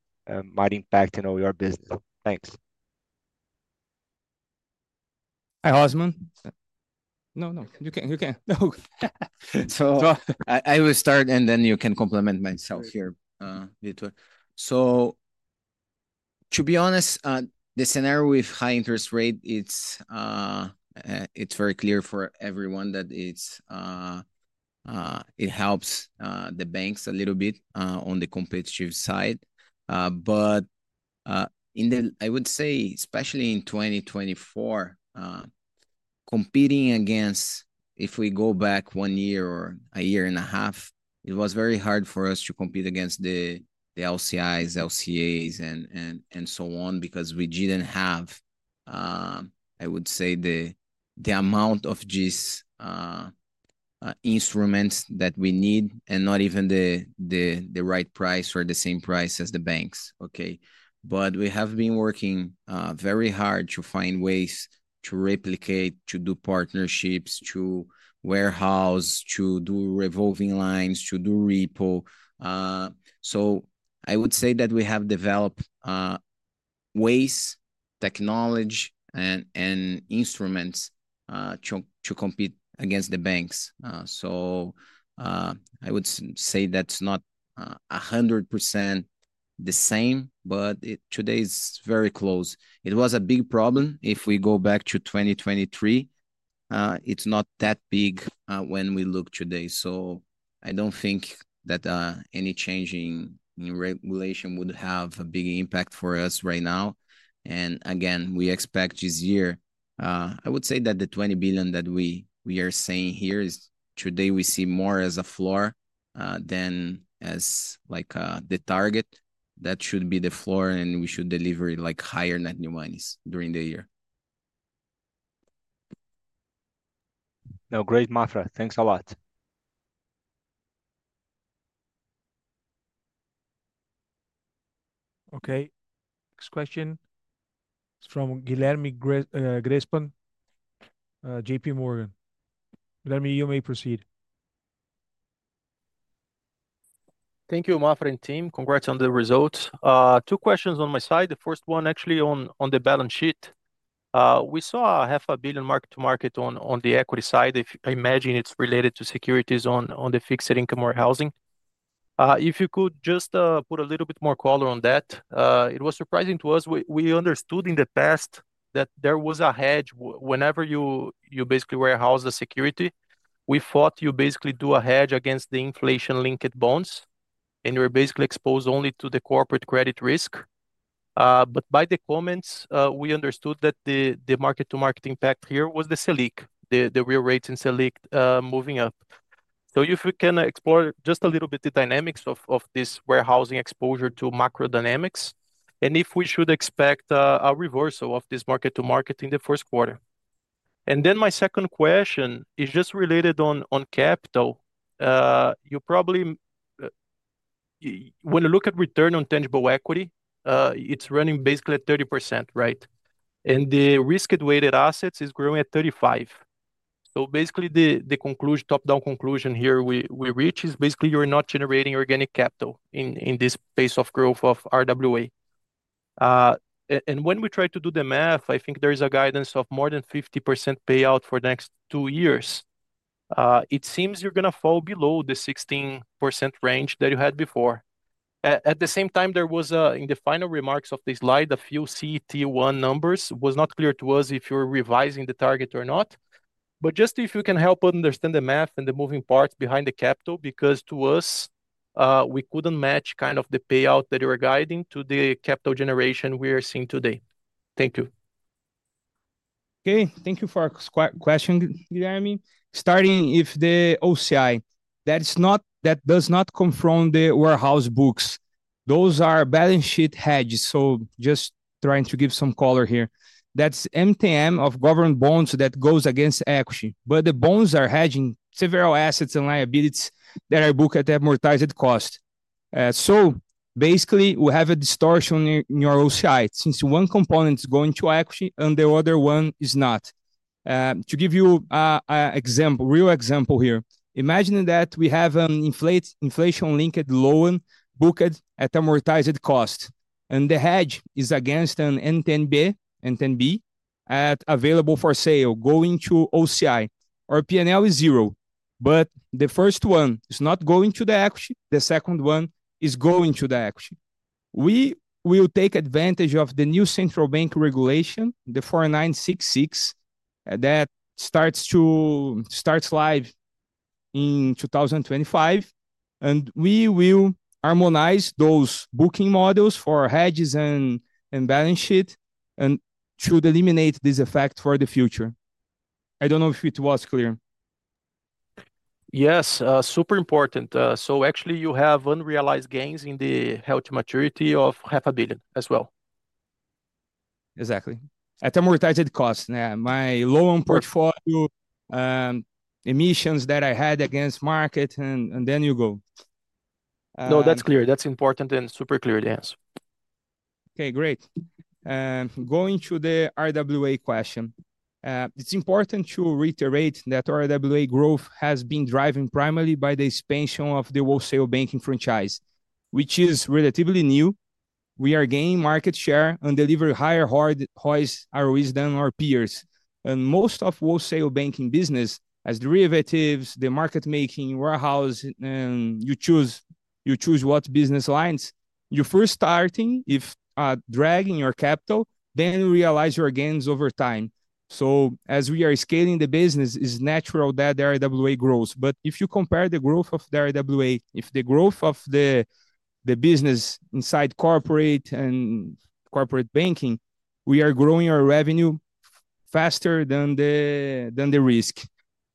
might impact, you know, your business. Thanks. Hi, Rosman. So I will start, and then you can complement me here, Victor. So to be honest, the scenario with high interest rate, it's very clear for everyone that it helps the banks a little bit, on the competitive side. But in the—I would say—especially in 2024, competing against—if we go back one year or a year and a half—it was very hard for us to compete against the LCIs, LCAs, and so on, because we didn't have—I would say—the amount of these instruments that we need, and not even the right price or the same price as the banks, okay? But we have been working very hard to find ways to replicate, to do partnerships, to warehouse, to do revolving lines, to do repo. So I would say that we have developed ways, technology, and instruments to compete against the banks. So I would say that's not 100% the same, but today it's very close. It was a big problem. If we go back to 2023, it's not that big when we look today. So I don't think that any change in regulation would have a big impact for us right now. And again, we expect this year, I would say that the 20 billion BRL that we are saying here is today, we see more as a floor than as like the target that should be the floor, and we should deliver like higher net new money during the year. Now, great, Maffra. Thanks a lot. Okay, next question. It's from Guilherme Grespan, J.P. Morgan. Guilherme, you may proceed. Thank you, Maffra and team. Congrats on the results. Two questions on my side. The first one, actually, on the balance sheet. We saw 500 million BRL mark-to-market on the equity side. If I imagine it's related to securities on the fixed income or housing. If you could just put a little bit more color on that. It was surprising to us. We understood in the past that there was a hedge whenever you basically warehouse the security. We thought you basically do a hedge against the inflation-linked bonds, and you're basically exposed only to the corporate credit risk. But by the comments, we understood that the mark-to-market impact here was the SELIC, the real rates in SELIC, moving up. So if we can explore just a little bit the dynamics of this warehousing exposure to macro dynamics, and if we should expect a reversal of this mark-to-market in the first quarter. And then my second question is just related on capital. You probably, when you look at return on tangible equity, it's running basically at 30%, right? The risk-weighted assets are growing at 35%. So basically, the conclusion, top-down conclusion here we reach is basically you're not generating organic capital in this pace of growth of RWA. And when we try to do the math, I think there is a guidance of more than 50% payout for the next two years. It seems you're going to fall below the 16% range that you had before. At the same time, there was a, in the final remarks of this slide, a few CET1 numbers was not clear to us if you're revising the target or not. But just if you can help us understand the math and the moving parts behind the capital, because to us, we couldn't match kind of the payout that you're guiding to the capital generation we're seeing today. Thank you. Okay, thank you for our question, Guilherme. Starting with the OCI, that is not, that does not concern the warehouse books. Those are balance sheet hedges. So just trying to give some color here. That's MTM of government bonds that goes against equity. But the bonds are hedging several assets and liabilities that are booked at amortized cost. So basically, we have a distortion in your OCI since one component is going to equity and the other one is not. To give you an example, real example here. Imagine that we have an inflation-linked loan booked at amortized cost. And the hedge is against an NTN-B at available for sale going to OCI. Our P&L is zero. But the first one is not going to the equity. The second one is going to the equity. We will take advantage of the new central bank regulation, the 4.966, that starts live in 2025. We will harmonize those booking models for hedges and balance sheet and should eliminate this effect for the future. I don't know if it was clear. Yes, super important. So actually you have unrealized gains in the held-to-maturity of 500 million BRL as well. Exactly. At amortized cost. Yeah, my loan portfolio, issuances that I had against market and then you go. No, that's clear. That's important and super clear. Thanks. Okay, great. Going to the RWA question. It's important to reiterate that RWA growth has been driven primarily by the expansion of the wholesale banking franchise, which is relatively new. We are gaining market share and deliver higher hedged ROEs than our peers. And most of wholesale banking business, as derivatives, the market making, warehousing, and you choose what business lines you first starting if dragging your capital, then you realize your gains over time. So as we are scaling the business, it's natural that the RWA grows. But if you compare the growth of the RWA to the growth of the business inside corporate banking, we are growing our revenue faster than the risk.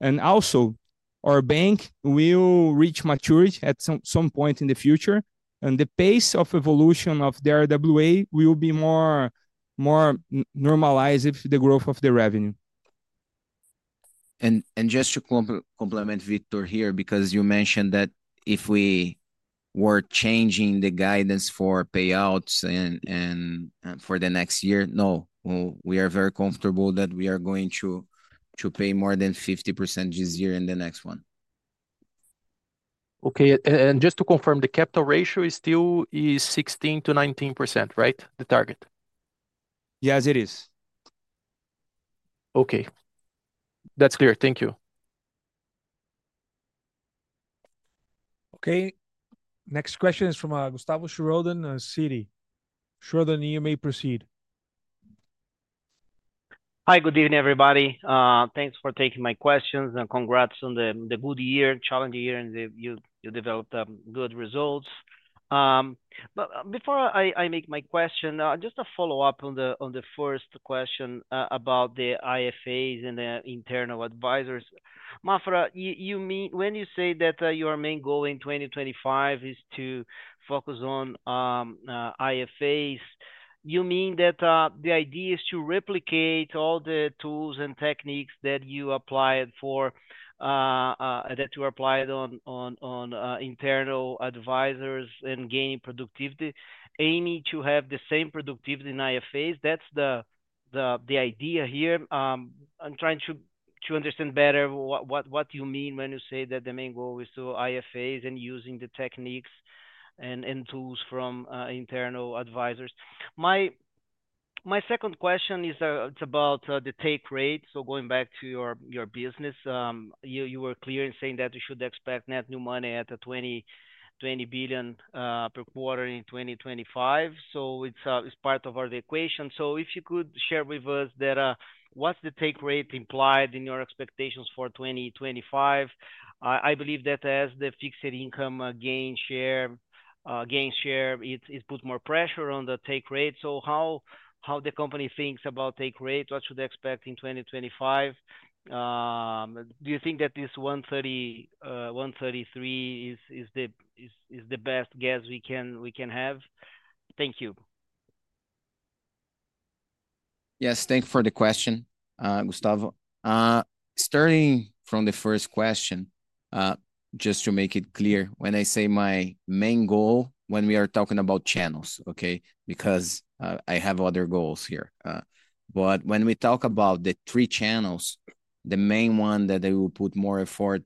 And also, our bank will reach maturity at some point in the future. And the pace of evolution of the RWA will be more normalized than the growth of the revenue. And just to complement Victor here, because you mentioned that if we were changing the guidance for payouts and for the next year, no, we are very comfortable that we are going to pay more than 50% this year and the next one. Okay, and just to confirm, the capital ratio is still 16%-19%, right? The target. Yes, it is. Okay, that's clear. Thank you. Okay, next question is from Gustavo Schroden at Citi. Gustavo Schroden, you may proceed. Hi, good evening, everybody. Thanks for taking my questions and congrats on the good year, challenging year, and you developed good results. But before I make my question, just a follow-up on the first question about the IFAs and the internal advisors. Maffra, you mean when you say that your main goal in 2025 is to focus on IFAs, you mean that the idea is to replicate all the tools and techniques that you applied for, that you applied on internal advisors and gaining productivity, aiming to have the same productivity in IFAs. That's the idea here. I'm trying to understand better what you mean when you say that the main goal is to IFAs and using the techniques and tools from internal advisors. My second question is it's about the take rate. So going back to your business, you were clear in saying that we should expect net new money at 20 billion per quarter in 2025. So it's part of our equation. So if you could share with us that what's the take rate implied in your expectations for 2025? I believe that as the fixed income gain share, it's put more pressure on the take rate. So how the company thinks about take rate, what should they expect in 2025? Do you think that this 1.33% is the best guess we can have? Thank you. Yes, thank you for the question, Gustavo. Starting from the first question, just to make it clear, when I say my main goal, when we are talking about channels, okay, because I have other goals here. But when we talk about the three channels, the main one that they will put more effort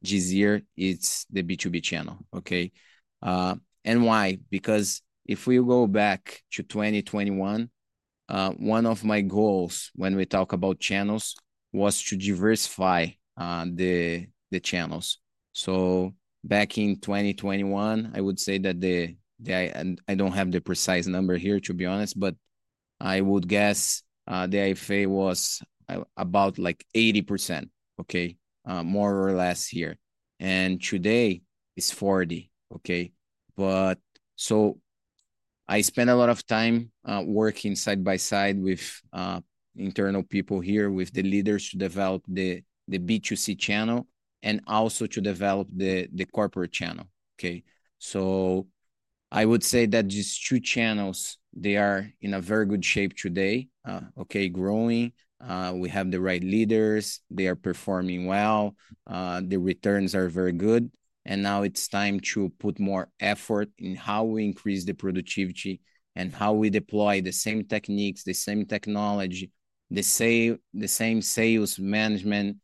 this year is the B2B channel, okay? And why? Because if we go back to 2021, one of my goals when we talk about channels was to diversify the channels. So back in 2021, I would say that the I don't have the precise number here, to be honest, but I would guess the IFA was about like 80%, okay? More or less here. And today is 40%, okay? But so I spent a lot of time working side by side with internal people here, with the leaders to develop the B2C channel and also to develop the corporate channel, okay? So I would say that these two channels, they are in a very good shape today, okay? Growing, we have the right leaders, they are performing well, the returns are very good. Now it's time to put more effort in how we increase the productivity and how we deploy the same techniques, the same technology, the same sales management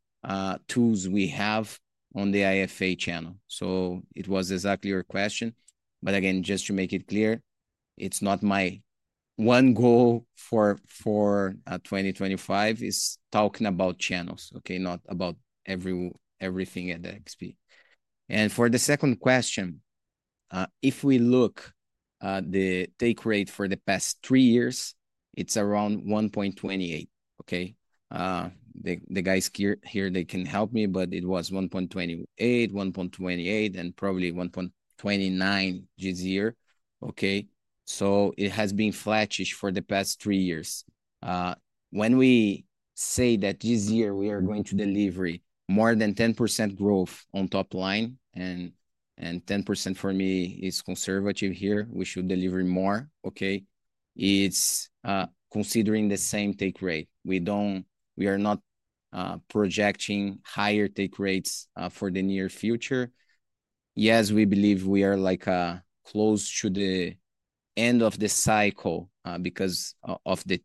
tools we have on the IFA channel. It was exactly your question. But again, just to make it clear, it's not my one goal for 2025 is talking about channels, okay? Not about everything at the XP. For the second question, if we look at the take rate for the past three years, it's around 1.28%, okay? The guys here they can help me, but it was 1.28%, 1.28%, and probably 1.29% this year, okay? It has been flattish for the past three years. When we say that this year we are going to deliver more than 10% growth on top line and 10% for me is conservative here, we should deliver more, okay? It's considering the same take rate. We are not projecting higher take rates for the near future. Yes, we believe we are like close to the end of the cycle because of the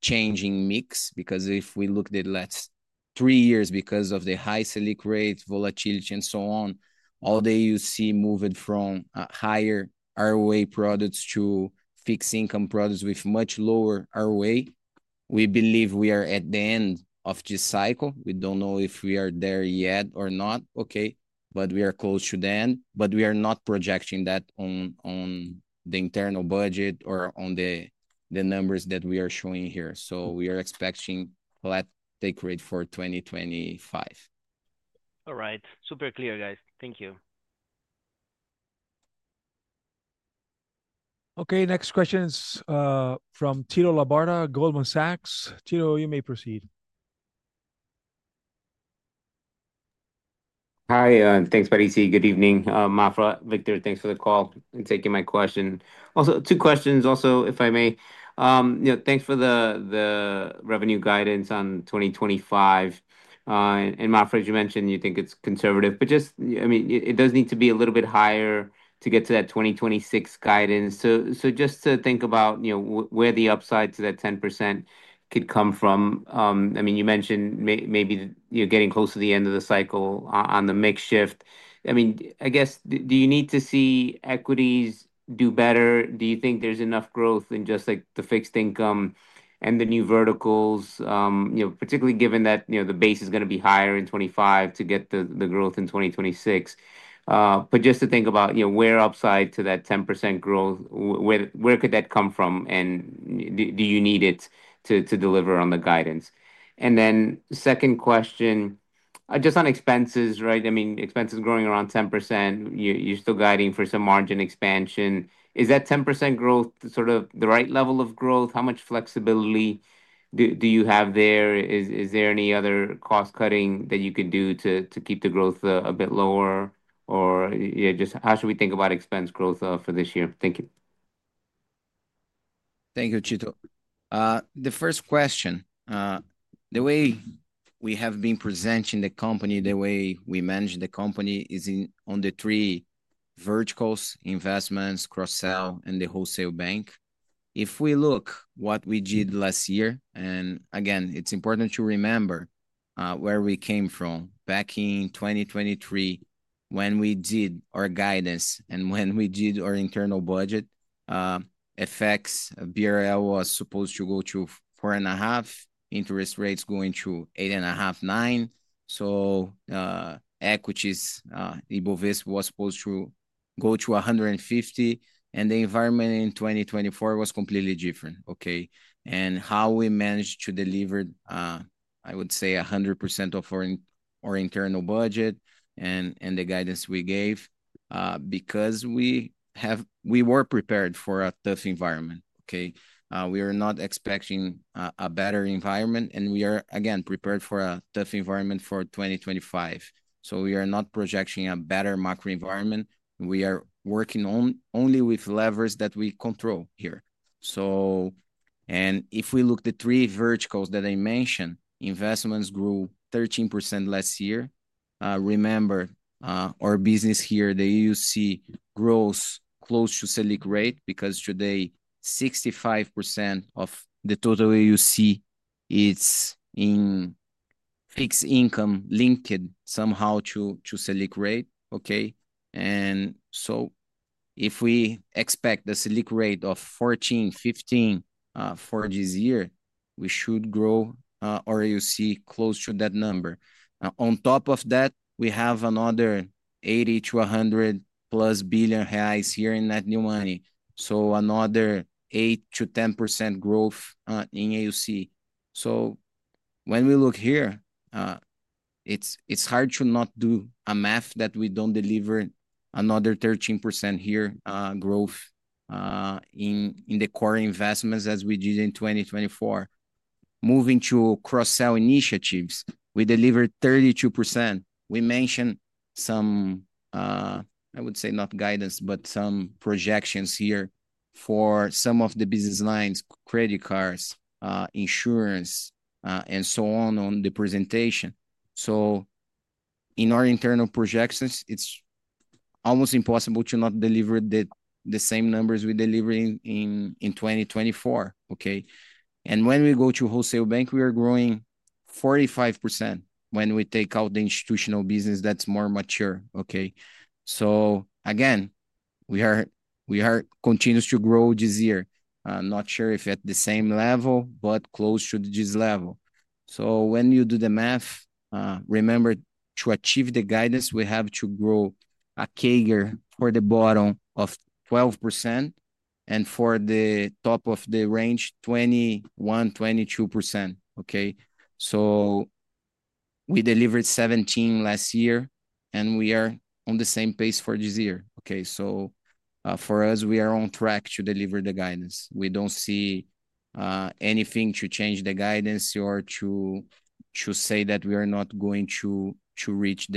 changing mix. Because if we look at the last three years because of the high SELIC rate, volatility, and so on, what you see moving from higher ROA products to fixed income products with much lower ROA. We believe we are at the end of this cycle. We don't know if we are there yet or not, okay? But we are close to the end. But we are not projecting that on the internal budget or on the numbers that we are showing here. So we are expecting flat take rate for 2025. All right. Super clear, guys. Thank you. Okay, next question is from Tito Labarta, Goldman Sachs. Tito, you may proceed. Hi, thanks and good evening, Maffra. Victor, thanks for the call and taking my question. Also, two questions, if I may. You know, thanks for the revenue guidance on 2025. And Maffra, as you mentioned, you think it's conservative, but just, I mean, it does need to be a little bit higher to get to that 2026 guidance. Just to think about, you know, where the upside to that 10% could come from. I mean, you mentioned maybe you're getting close to the end of the cycle on the mix shift. I mean, I guess, do you need to see equities do better? Do you think there's enough growth in just like the fixed income and the new verticals, you know, particularly given that, you know, the base is going to be higher in 2025 to get the growth in 2026? But just to think about, you know, where upside to that 10% growth, where could that come from? And do you need it to deliver on the guidance? And then second question, just on expenses, right? I mean, expenses growing around 10%, you're still guiding for some margin expansion. Is that 10% growth sort of the right level of growth? How much flexibility do you have there? Is there any other cost cutting that you could do to keep the growth a bit lower? Or yeah, just how should we think about expense growth for this year? Thank you. Thank you, Tito. The first question, the way we have been presenting the company, the way we manage the company is in on the three verticals, investments, cross-sell, and the wholesale bank. If we look at what we did last year, and again, it's important to remember, where we came from back in 2023 when we did our guidance and when we did our internal budget, FX, BRL was supposed to go to four and a half, interest rates going to eight and a half, nine. So, equities, Ibovespa was supposed to go to 150. And the environment in 2024 was completely different, okay? How we managed to deliver, I would say, 100% of our internal budget and the guidance we gave, because we were prepared for a tough environment, okay? We are not expecting a better environment. We are, again, prepared for a tough environment for 2025. We are not projecting a better macro environment. We are working only with levers that we control here. If we look at the three verticals that I mentioned, investments grew 13% last year. Remember, our business here, the AUC grows close to SELIC rate because today 65% of the total AUC is in fixed income linked somehow to SELIC rate, okay? If we expect the SELIC rate of 14-15 for this year, we should grow our AUC close to that number. On top of that, we have another 80-100+ billion reais here in net new money. So another 8%-10% growth in AUC. So when we look here, it's hard to not do a math that we don't deliver another 13% here, growth, in the core investments as we did in 2024. Moving to cross-sell initiatives, we delivered 32%. We mentioned some. I would say not guidance, but some projections here for some of the business lines, credit cards, insurance, and so on in the presentation. So in our internal projections, it's almost impossible to not deliver the same numbers we delivered in 2024, okay? And when we go to wholesale bank, we are growing 45% when we take out the institutional business that's more mature, okay? So again, we are continuous to grow this year. I'm not sure if at the same level, but close to this level. So when you do the math, remember to achieve the guidance, we have to grow a CAGR for the bottom of 12% and for the top of the range, 21%-22%, okay? So we delivered 17% last year and we are on the same pace for this year, okay? So, for us, we are on track to deliver the guidance. We don't see anything to change the guidance or to say that we are not going to reach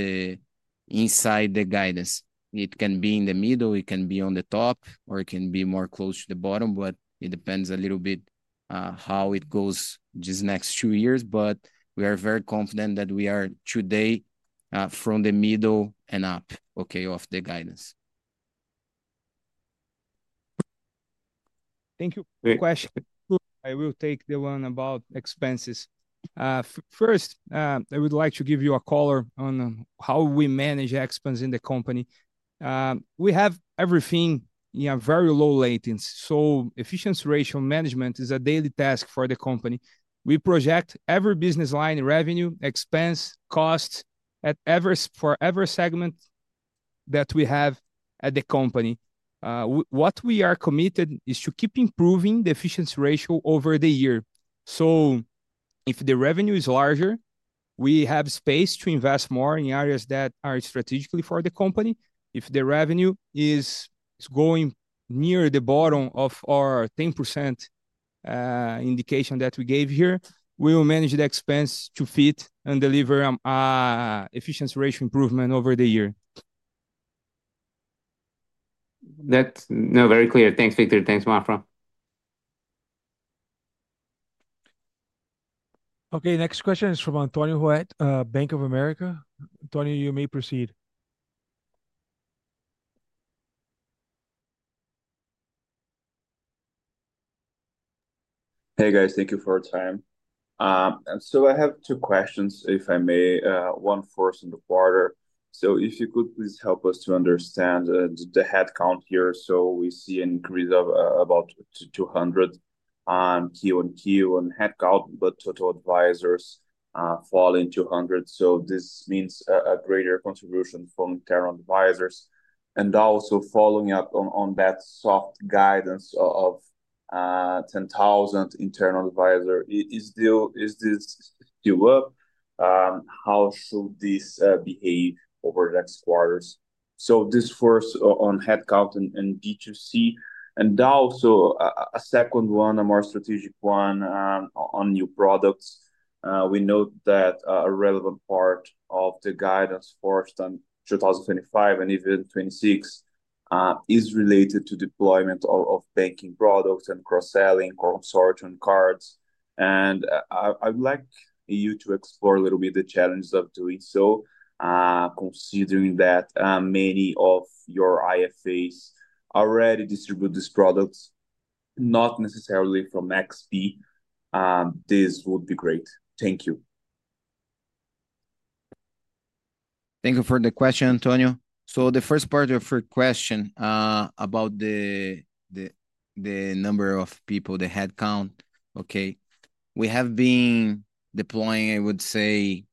inside the guidance. It can be in the middle, it can be on the top, or it can be more close to the bottom, but it depends a little bit, how it goes these next two years. But we are very confident that we are today, from the middle and up, okay, of the guidance. Thank you. Question. I will take the one about expenses. First, I would like to give you a color on how we manage expenses in the company. We have everything in a very low latency. So efficiency ratio management is a daily task for the company. We project every business line revenue, expense, cost for every segment that we have at the company. What we are committed to is to keep improving the efficiency ratio over the year. So if the revenue is larger, we have space to invest more in areas that are strategically for the company. If the revenue is going near the bottom of our 10% indication that we gave here, we will manage the expense to fit and deliver an efficiency ratio improvement over the year. That's very clear. Thanks, Victor. Thanks, Maffra. Okay, next question is from Antonio Ruette, Bank of America. Antonio, you may proceed. Hey, guys. Thank you for your time. So I have two questions, if I may. One for Victor Mansur. So if you could please help us to understand the headcount here. So we see an increase of about 200 on QoQ and headcount, but total advisors falling 200. So this means a greater contribution from internal advisors. And also following up on that soft guidance of 10,000 internal advisors, is this still up? How should this behave over the next quarters? So this first on headcount and B2C. And also a second one, a more strategic one, on new products. We note that a relevant part of the guidance focused on 2025 and even 2026 is related to deployment of banking products and cross-selling consortium and cards. I would like you to explore a little bit the challenges of doing so, considering that many of your IFAs already distribute these products, not necessarily from XP. This would be great. Thank you. Thank you for the question, Antonio. So the first part of your question, about the number of people, the headcount, okay, we have been deploying, I would say,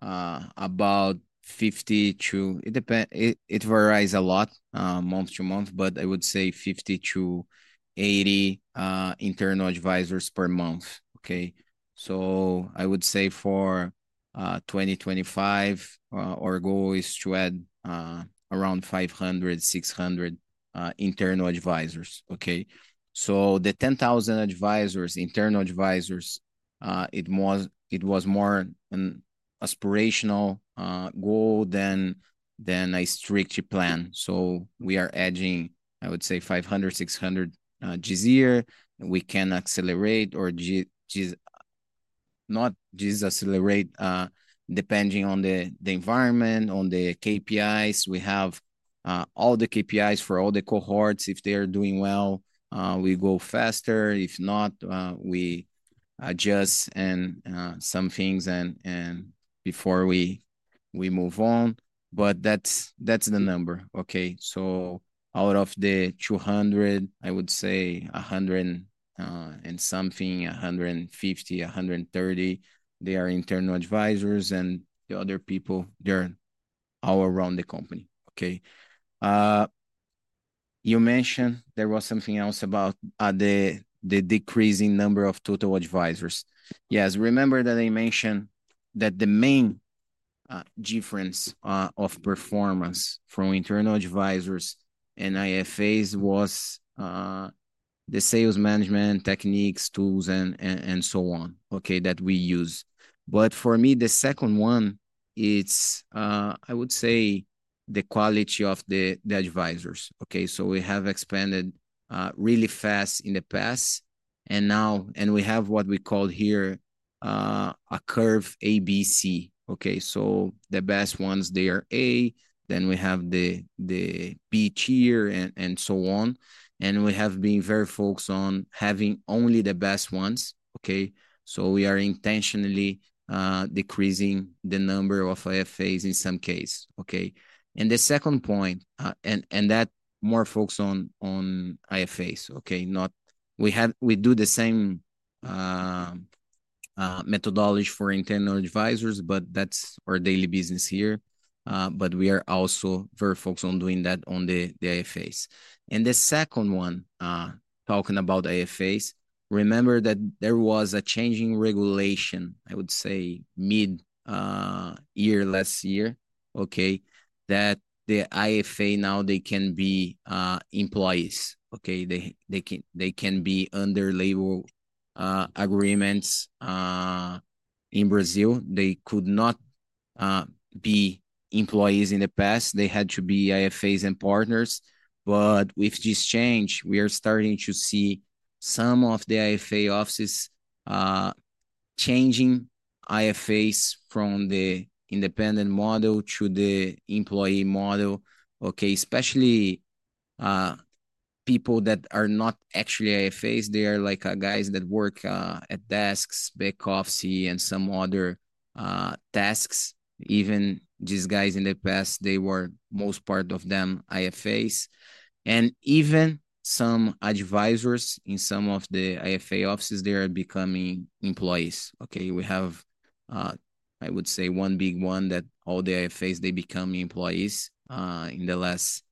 about 50-80 internal advisors per month, okay? It depends, it varies a lot, month to month, but I would say 50-80 internal advisors per month, okay? So I would say for 2025, our goal is to add around 500-600 internal advisors, okay? So the 10,000 internal advisors, it was more an aspirational goal than a strict plan. So we are adding, I would say, 500-600 this year. We can accelerate or not just accelerate, depending on the environment, on the KPIs. We have all the KPIs for all the cohorts. If they're doing well, we go faster. If not, we adjust some things and before we move on. But that's the number, okay? So out of the 200, I would say 100 and something, 150, 130, they are internal advisors and the other people, they're all around the company, okay? You mentioned there was something else about the decreasing number of total advisors. Yes, remember that I mentioned that the main difference of performance from internal advisors and IFAs was the sales management techniques, tools, and so on, okay, that we use. But for me, the second one, it's I would say the quality of the advisors, okay? So we have expanded really fast in the past. And now we have what we call here a curve ABC, okay? So the best ones they are A, then we have the B tier and so on. And we have been very focused on having only the best ones, okay? So we are intentionally decreasing the number of IFAs in some case, okay? And the second point, and that more focus on IFAs, okay? Now we have we do the same methodology for internal advisors, but that's our daily business here. But we are also very focused on doing that on the IFAs. And the second one, talking about IFAs, remember that there was a change in regulation, I would say, mid-year last year, okay, that the IFA now they can be employees, okay? They can be under labor agreements in Brazil. They could not be employees in the past. They had to be IFAs and partners. But with this change, we are starting to see some of the IFA offices changing IFAs from the independent model to the employee model, okay? Especially people that are not actually IFAs, they are like guys that work at desks, back office and some other tasks. Even these guys in the past, they were most part of them IFAs. And even some advisors in some of the IFA offices, they are becoming employees, okay? We have, I would say one big one that all the IFAs they become employees in the last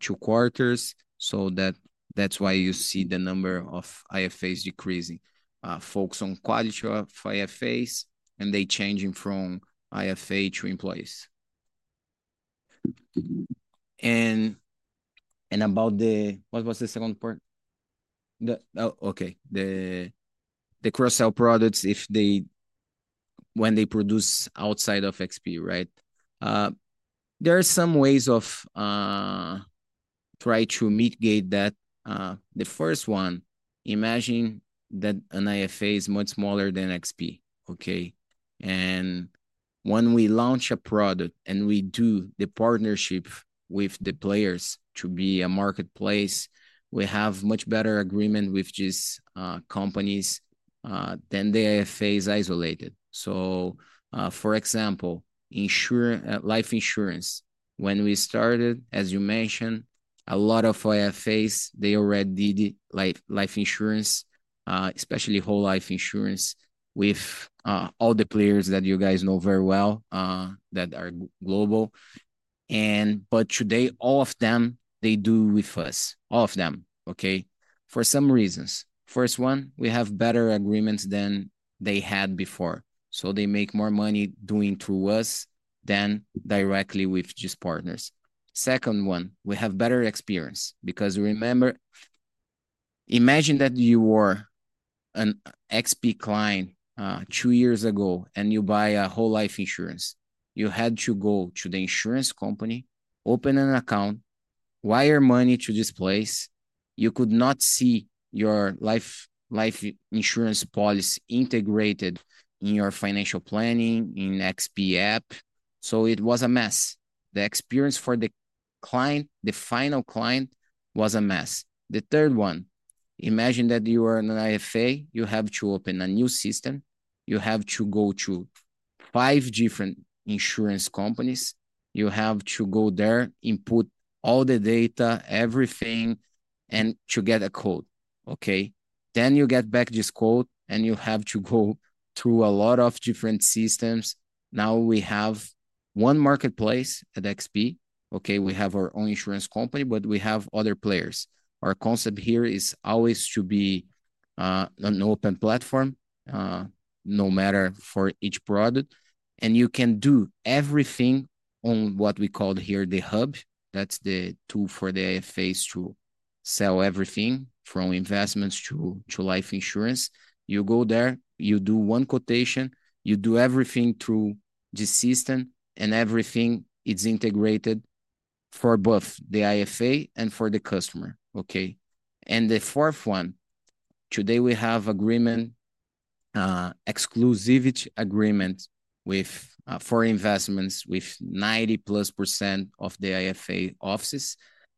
two quarters. So that's why you see the number of IFAs decreasing, focus on quality of IFAs and they changing from IFA to employees. And about the, what was the second part? The, okay, the cross-sell products, if they when they produce outside of XP, right? There are some ways to try to mitigate that. The first one, imagine that an IFA is much smaller than XP, okay? And when we launch a product and we do the partnership with the players to be a marketplace, we have much better agreement with these companies than the IFAs isolated. So, for example, insurance, life insurance, when we started, as you mentioned, a lot of IFAs, they already did life insurance, especially whole life insurance with all the players that you guys know very well, that are global. But today, all of them, they do with us, all of them, okay? For some reasons. First one, we have better agreements than they had before. So they make more money doing through us than directly with just partners. Second one, we have better experience because remember, imagine that you were an XP client two years ago and you buy a whole life insurance. You had to go to the insurance company, open an account, wire money to this place. You could not see your life insurance policy integrated in your financial planning in XP app, so it was a mess. The experience for the client, the final client was a mess. The third one, imagine that you are an IFA, you have to open a new system, you have to go to five different insurance companies, you have to go there and put all the data, everything, and to get a code, okay? Then you get back this code and you have to go through a lot of different systems. Now we have one marketplace at XP, okay? We have our own insurance company, but we have other players. Our concept here is always to be an open platform, no matter for each product. And you can do everything on what we call here the Hub. That's the tool for the IFAs to sell everything from investments to life insurance. You go there, you do one quotation, you do everything through the system and everything is integrated for both the IFA and for the customer, okay? And the fourth one, today we have agreement, exclusivity agreement with, for investments with 90-plus% of the IFA offices.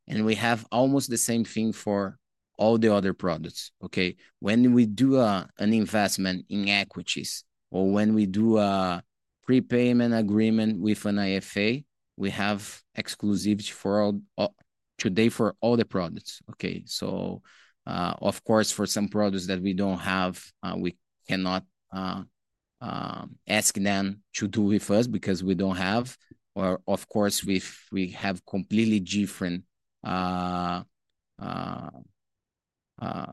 And we have almost the same thing for all the other products, okay? When we do a investment in equities or when we do a prepayment agreement with an IFA, we have exclusivity for all today for all the products, okay? So, of course, for some products that we don't have, we cannot ask them to do with us because we don't have, or of course, we have completely different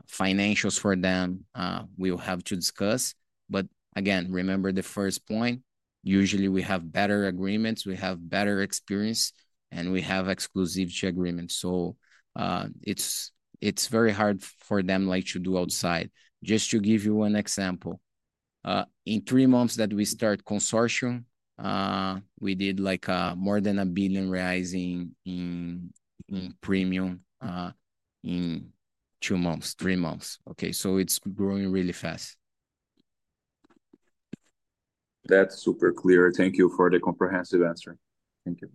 financials for them. We will have to discuss. But again, remember the first point, usually we have better agreements, we have better experience, and we have exclusivity agreements. So, it's very hard for them like to do outside. Just to give you an example, in three months that we start consortium, we did like more than a billion reais in premium, in two months, three months, okay? So it's growing really fast. That's super clear. Thank you for the comprehensive answer. Thank you.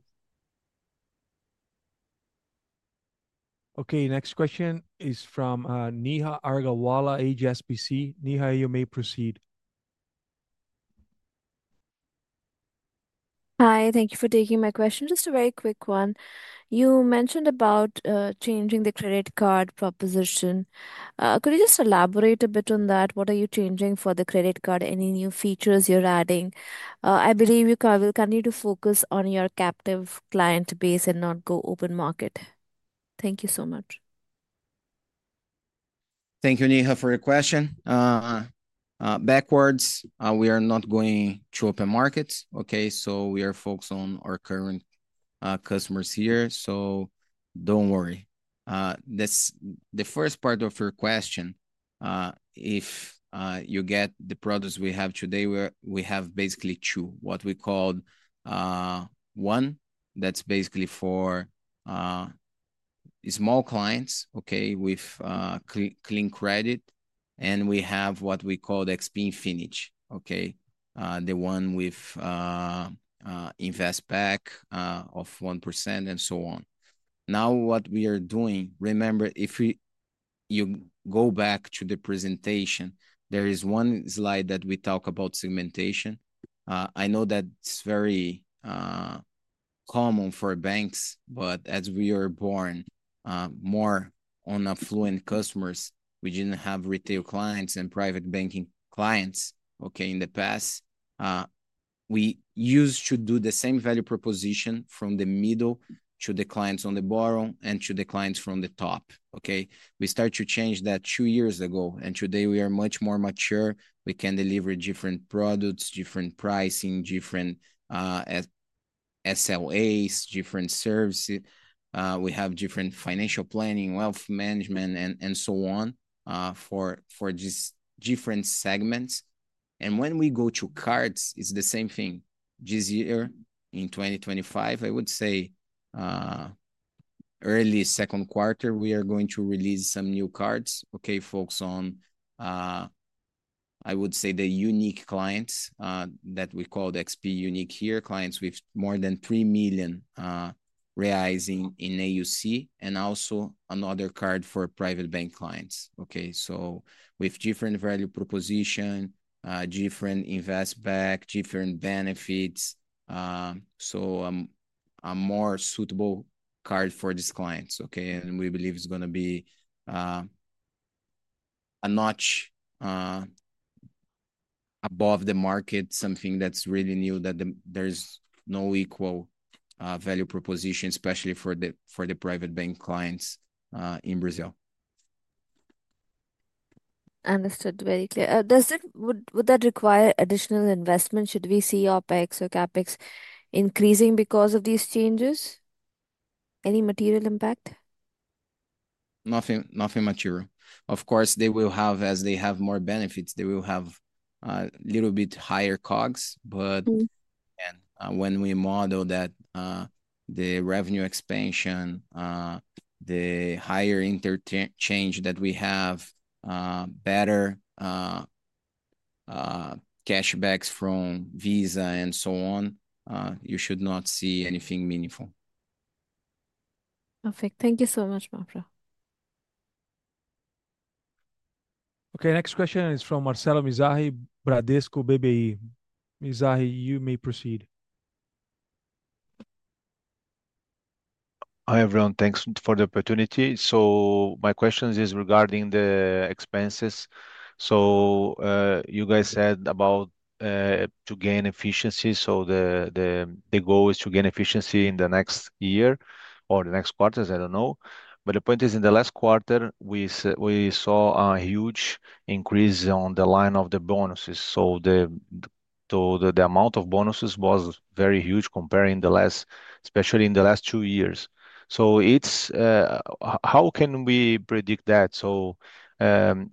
Okay, next question is from Neha Agarwala, HSBC. Neha, you may proceed. Hi, thank you for taking my question. Just a very quick one. You mentioned about changing the credit card proposition. Could you just elaborate a bit on that? What are you changing for the credit card? Any new features you're adding? I believe you will continue to focus on your captive client base and not go open market. Thank you so much. Thank you, Neha, for your question. Backwards, we are not going to open market, okay? So we are focused on our current customers here. So don't worry. This is the first part of your question, if you get the products we have today, we have basically two, what we call, one that's basically for small clients, okay, with clean credit, and we have what we call XP Infinite, okay? The one with Investback of 1% and so on. Now, what we are doing, remember, if you go back to the presentation, there is one slide that we talk about segmentation. I know that's very common for banks, but as we are born more on affluent customers, we didn't have retail clients and private banking clients, okay, in the past. We used to do the same value proposition from the middle to the clients on the bottom and to the clients from the top, okay? We start to change that two years ago, and today we are much more mature. We can deliver different products, different pricing, different SLAs, different services. We have different financial planning, wealth management, and so on, for these different segments. And when we go to cards, it's the same thing. This year, in 2025, I would say, early second quarter, we are going to release some new cards, okay, focused on, I would say the unique clients, that we call the XP Unique here, clients with more than 3 million reais in AUC, and also another card for private bank clients, okay? So with different value proposition, different Investback, different benefits. So a more suitable card for these clients, okay? And we believe it's going to be a notch above the market, something that's really new, that there is no equal value proposition, especially for the private bank clients, in Brazil. Understood very clear. Would that require additional investment? Should we see OpEx or CapEx increasing because of these changes? Any material impact? Nothing material. Of course, they will have, as they have more benefits, they will have a little bit higher COGS. But again, when we model that, the revenue expansion, the higher interchange that we have, better cashbacks from Visa and so on, you should not see anything meaningful. Perfect. Thank you so much, Maffra. Okay, next question is from Marcelo Mizrahi, Bradesco BBI. Mizrahi, you may proceed. Hi everyone, thanks for the opportunity. So my question is regarding the expenses. So, you guys said about to gain efficiency. So the goal is to gain efficiency in the next year or the next quarters, I don't know. But the point is in the last quarter, we saw a huge increase on the line of the bonuses. So the amount of bonuses was very huge comparing the last, especially in the last two years. So it's how can we predict that? So,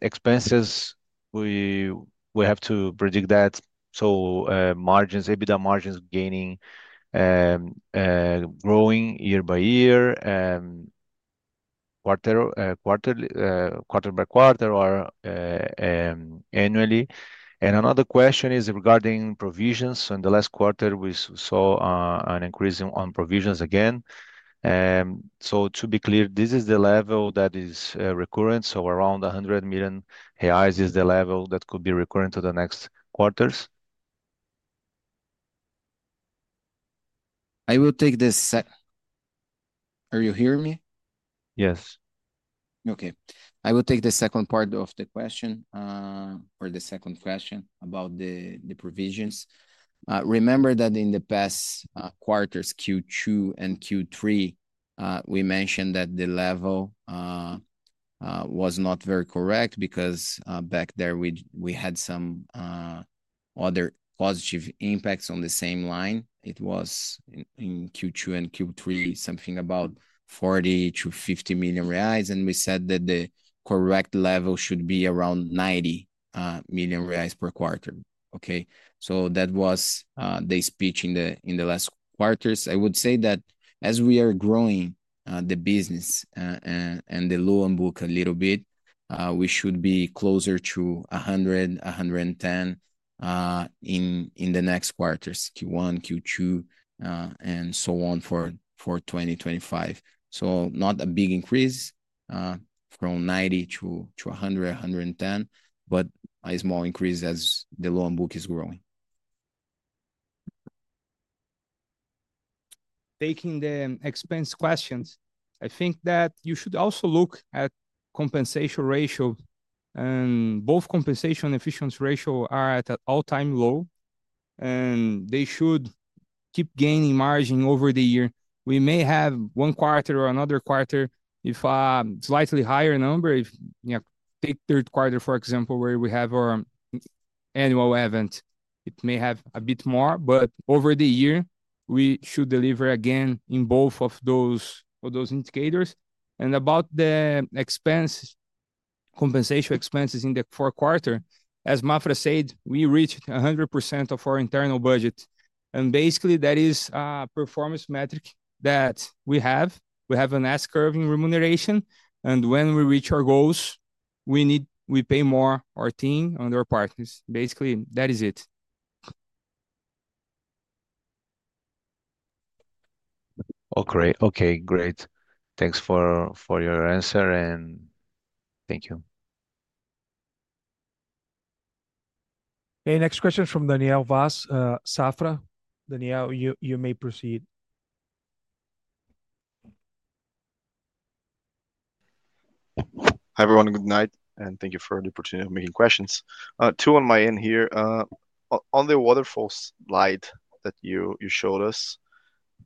expenses, we have to predict that. Margins, EBITDA margins gaining, growing year by year, quarter by quarter or annually. Another question is regarding provisions. In the last quarter, we saw an increase on provisions again. To be clear, this is the level that is recurrent. Around 100 million reais is the level that could be recurrent to the next quarters. I will take this second. Are you hearing me? Yes. Okay. I will take the second part of the question, for the second question about the provisions. Remember that in the past quarters, Q2 and Q3, we mentioned that the level was not very correct because back there we had some other positive impacts on the same line. It was in Q2 and Q3, something about 40 million-50 million reais. We said that the correct level should be around 90 million reais per quarter. Okay. That was the speech in the last quarters. I would say that as we are growing the business and the loan book a little bit, we should be closer to 100, 110 in the next quarters, Q1, Q2, and so on for 2025. So not a big increase from 90 to 100, 110, but a small increase as the loan book is growing. Taking the expense questions, I think that you should also look at compensation ratio. Both compensation and efficiency ratio are at an all-time low. They should keep gaining margin over the year. We may have one quarter or another quarter, if a slightly higher number, if you take third quarter, for example, where we have our annual event, it may have a bit more, but over the year, we should deliver again in both of those indicators. And about the expense, compensation expenses in the fourth quarter, as Maffra said, we reached 100% of our internal budget. And basically, that is a performance metric that we have. We have an S-curve in remuneration. And when we reach our goals, we need we pay more our team and our partners. Basically, that is it. Okay, okay, great. Thanks for your answer and thank you. Okay, next question from Daniel Vaz, Safra. Daniel, you may proceed. Hi everyone, good night. And thank you for the opportunity of making questions. Two on my end here. On the waterfall slide that you showed us,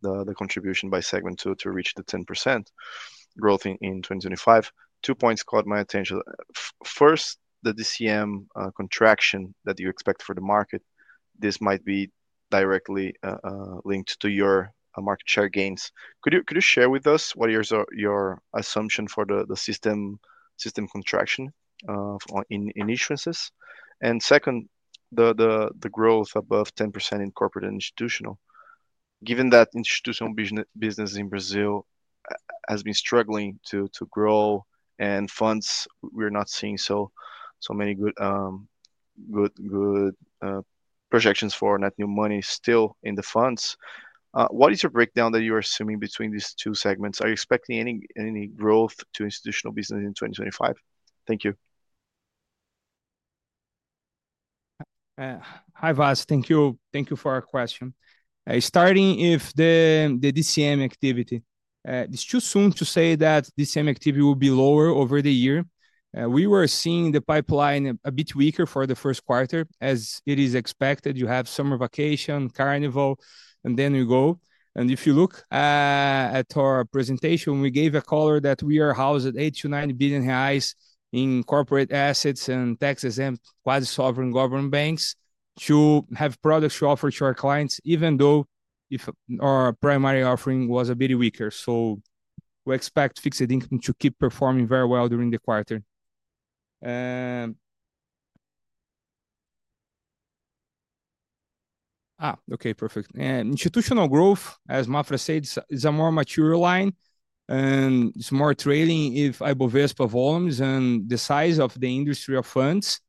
the contribution by segment to reach the 10% growth in 2025, two points caught my attention. First, the DCM contraction that you expect for the market, this might be directly linked to your market share gains. Could you share with us what your assumption for the system contraction in issuances? And second, the growth above 10% in corporate and institutional, given that institutional business in Brazil has been struggling to grow and funds, we're not seeing so many good projections for net new money still in the funds. What is your breakdown that you are assuming between these two segments? Are you expecting any growth to institutional business in 2025? Thank you. Hi Vaz, thank you for your question. Starting with the DCM activity, it's too soon to say that DCM activity will be lower over the year. We were seeing the pipeline a bit weaker for the first quarter, as it is expected. You have summer vacation, carnival, and then you go. And if you look at our presentation, we gave a color that we are housed at 8-9 billion reais in corporate assets and tax-exempt quasi-sovereign government banks to have products to offer to our clients, even though if our primary offering was a bit weaker. So we expect fixed income to keep performing very well during the quarter. Okay, perfect. And institutional growth, as Maffra said, is a more mature line. And it's more trailing if Ibovespa volumes and the size of the industry of funds.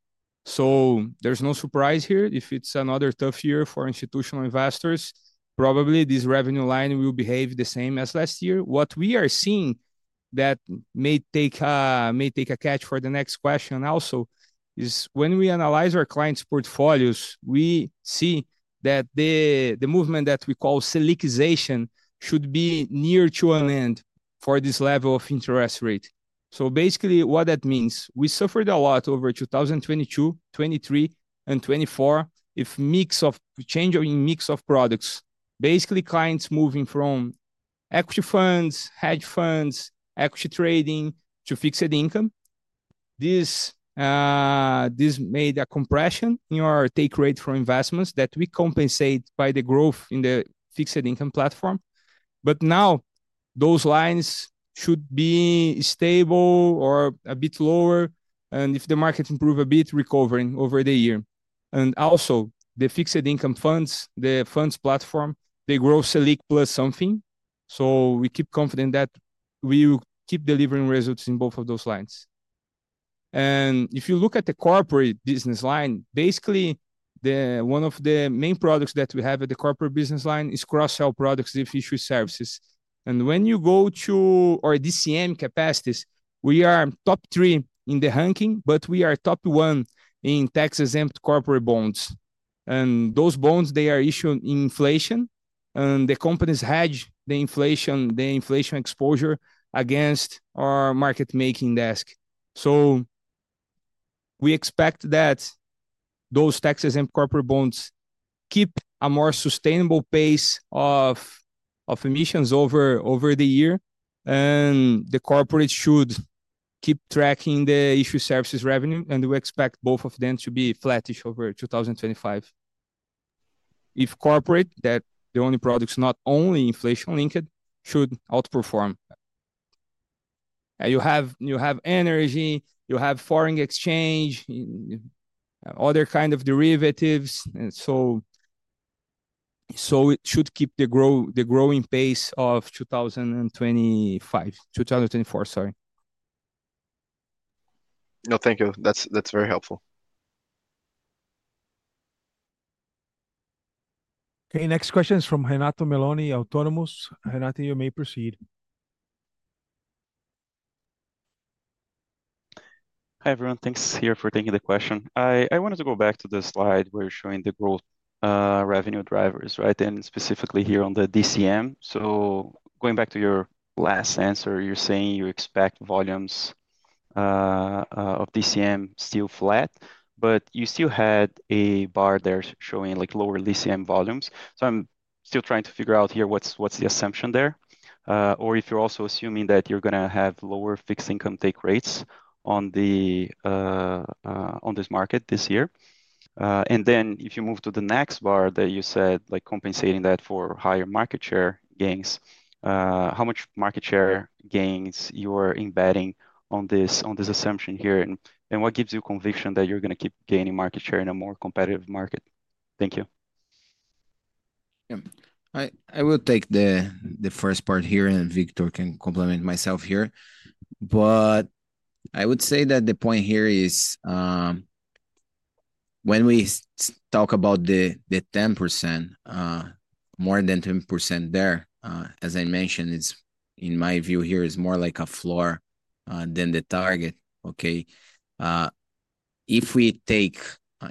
So there's no surprise here. If it's another tough year for institutional investors, probably this revenue line will behave the same as last year. What we are seeing that may take a catch for the next question also is when we analyze our clients' portfolios, we see that the movement that we call SELICization should be near to an end for this level of interest rate. So basically what that means, we suffered a lot over 2022, 2023, and 2024 with mix of change in mix of products. Basically clients moving from equity funds, hedge funds, equity trading to fixed income. This made a compression in our take rate for investments that we compensate by the growth in the fixed income platform. But now those lines should be stable or a bit lower. If the market improves a bit, recovering over the year. And also the fixed income funds, the funds platform, they grow SELIC plus something. So we keep confident that we will keep delivering results in both of those lines. And if you look at the corporate business line, basically the one of the main products that we have at the corporate business line is cross-sell products, Issuer Services. And when you go to our DCM capacities, we are top three in the ranking, but we are top one in tax-exempt corporate bonds. And those bonds, they are issued in inflation. And the companies hedge the inflation, the inflation exposure against our market-making desk. So we expect that those tax-exempt corporate bonds keep a more sustainable pace of issuances over the year. And the corporate should keep tracking Issuer Services revenue. And we expect both of them to be flattish over 2025. If corporate, that the only products not only inflation-linked should outperform. You have energy, you have foreign exchange, and other kinds of derivatives. And so it should keep the growing pace of 2025, 2024, sorry. No, thank you. That's very helpful. Okay, next question is from Renato Meloni, Autonomous. Renato, you may proceed. Hi everyone, thanks for taking the question. I wanted to go back to the slide where you're showing the growth, revenue drivers, right? And specifically here on the DCM. So going back to your last answer, you're saying you expect volumes of DCM still flat, but you still had a bar there showing like lower DCM volumes. I'm still trying to figure out here what's the assumption there, or if you're also assuming that you're going to have lower fixed income take rates on this market this year, and then if you move to the next bar that you said, like compensating that for higher market share gains, how much market share gains you're embedding on this assumption here? What gives you conviction that you're going to keep gaining market share in a more competitive market? Thank you. Yeah, I will take the first part here and Victor can complement me here, but I would say that the point here is, when we talk about the 10%, more than 10% there, as I mentioned, it's in my view more like a floor than the target, okay? If we take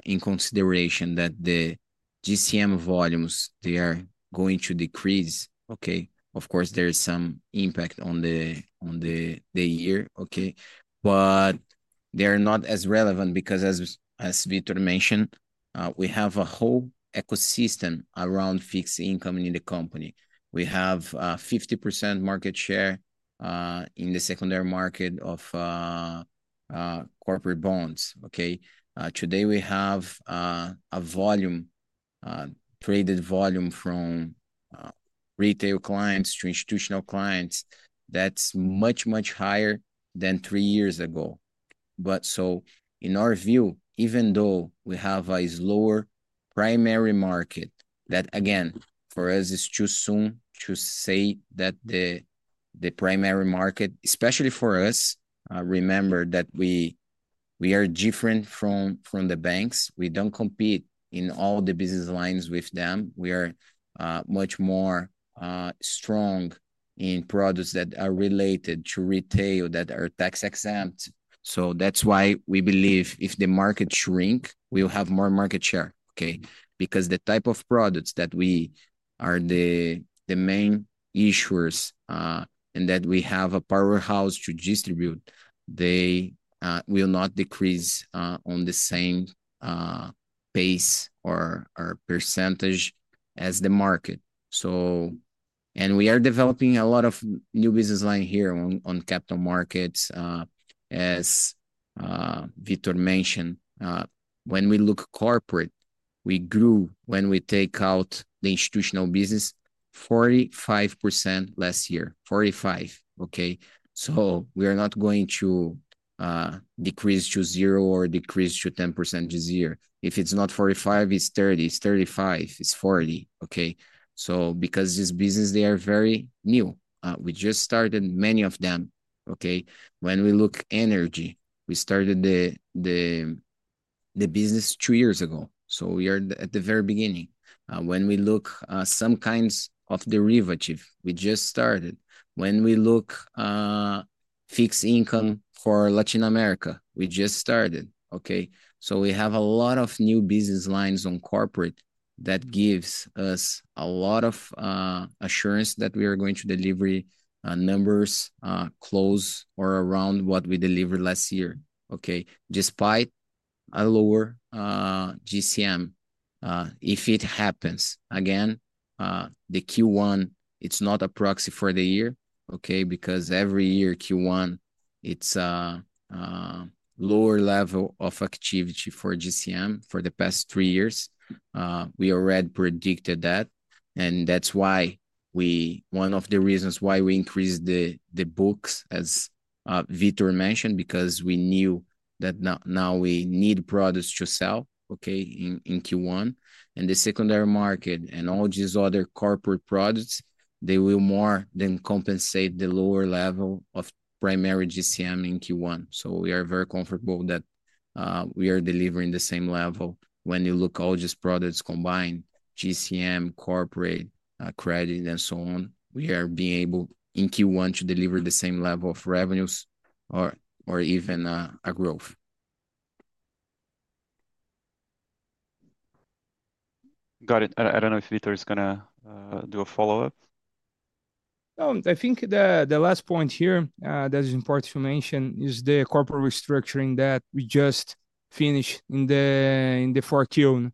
into consideration that the DCM volumes, they are going to decrease, okay, of course there is some impact on the year, okay? But they are not as relevant because as Victor mentioned, we have a whole ecosystem around fixed income in the company. We have a 50% market share in the secondary market of corporate bonds, okay? Today we have a volume, traded volume from retail clients to institutional clients. That's much, much higher than three years ago. But so in our view, even though we have a slower primary market, that again, for us, it's too soon to say that the primary market, especially for us, remember that we are different from the banks. We are much more strong in products that are related to retail that are tax-exempt. So that's why we believe if the market shrinks, we'll have more market share, okay? Because the type of products that we are the main issuers, and that we have a powerhouse to distribute, they will not decrease on the same pace or percentage as the market. So, and we are developing a lot of new business line here on capital markets, as Victor mentioned. When we look corporate, we grew when we take out the institutional business 45% last year, 45, okay? So we are not going to decrease to zero or decrease to 10% this year. If it's not 45, it's 30, it's 35, it's 40, okay? So because this business, they are very new. We just started many of them, okay? When we look energy, we started the business two years ago. So we are at the very beginning. When we look at some kinds of derivatives, we just started. When we look at fixed income for Latin America, we just started, okay? So we have a lot of new business lines on corporate that gives us a lot of assurance that we are going to deliver numbers close or around what we delivered last year, okay? Despite a lower DCM, if it happens again, the Q1, it's not a proxy for the year, okay? Because every year Q1, it's a lower level of activity for DCM for the past three years. We already predicted that. That's why we, one of the reasons why we increased the books, as Victor mentioned, because we knew that now we need products to sell, okay, in Q1. The secondary market and all these other corporate products, they will more than compensate the lower level of primary DCM in Q1. So we are very comfortable that we are delivering the same level when you look all these products combined, DCM, corporate, credit and so on. We are being able in Q1 to deliver the same level of revenues or even a growth. Got it. I don't know if Victor is going to do a follow-up. No, I think the last point here that is important to mention is the corporate restructuring that we just finished in the formation.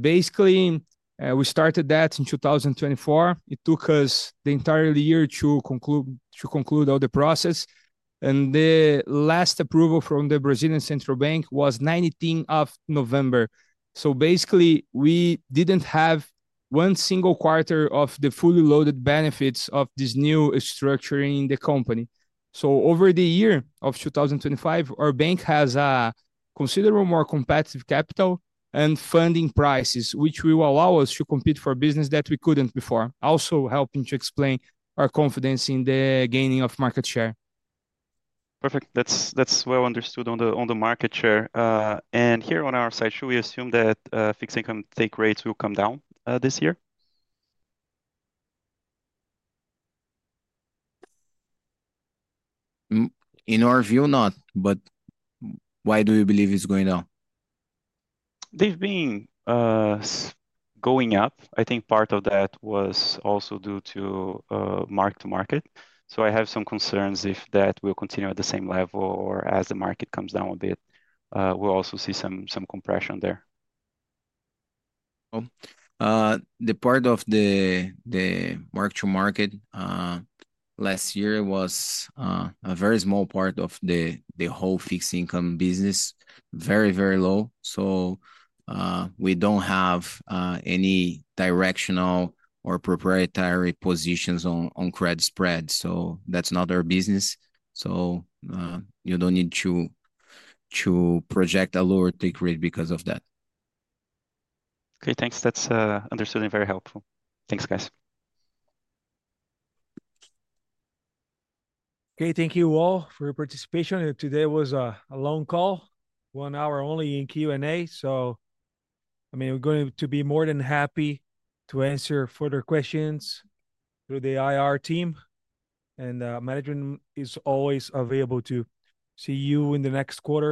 Basically, we started that in 2024. It took us the entire year to conclude all the process. And the last approval from the Brazilian Central Bank was 19th of November. So basically, we didn't have one single quarter of the fully loaded benefits of this new structure in the company. So over the year of 2025, our bank has a considerable more competitive capital and funding prices, which will allow us to compete for business that we couldn't before. Also helping to explain our confidence in the gaining of market share. Perfect. That's what I understood on the market share. And here on our side, should we assume that fixed income take rates will come down this year? In our view, not. But why do you believe it's going down? They've been going up. I think part of that was also due to mark to market. So I have some concerns if that will continue at the same level or as the market comes down a bit, we'll also see some compression there. Well, the part of the mark to market last year was a very small part of the whole fixed income business, very, very low. So, we don't have any directional or proprietary positions on credit spreads. So that's not our business. So, you don't need to project a lower take rate because of that. Okay, thanks. That's understood and very helpful. Thanks, guys. Okay, thank you all for your participation. Today was a long call, one hour only in Q&A. So, I mean, we're going to be more than happy to answer further questions through the IR team. And, management is always available to see you in the next quarter.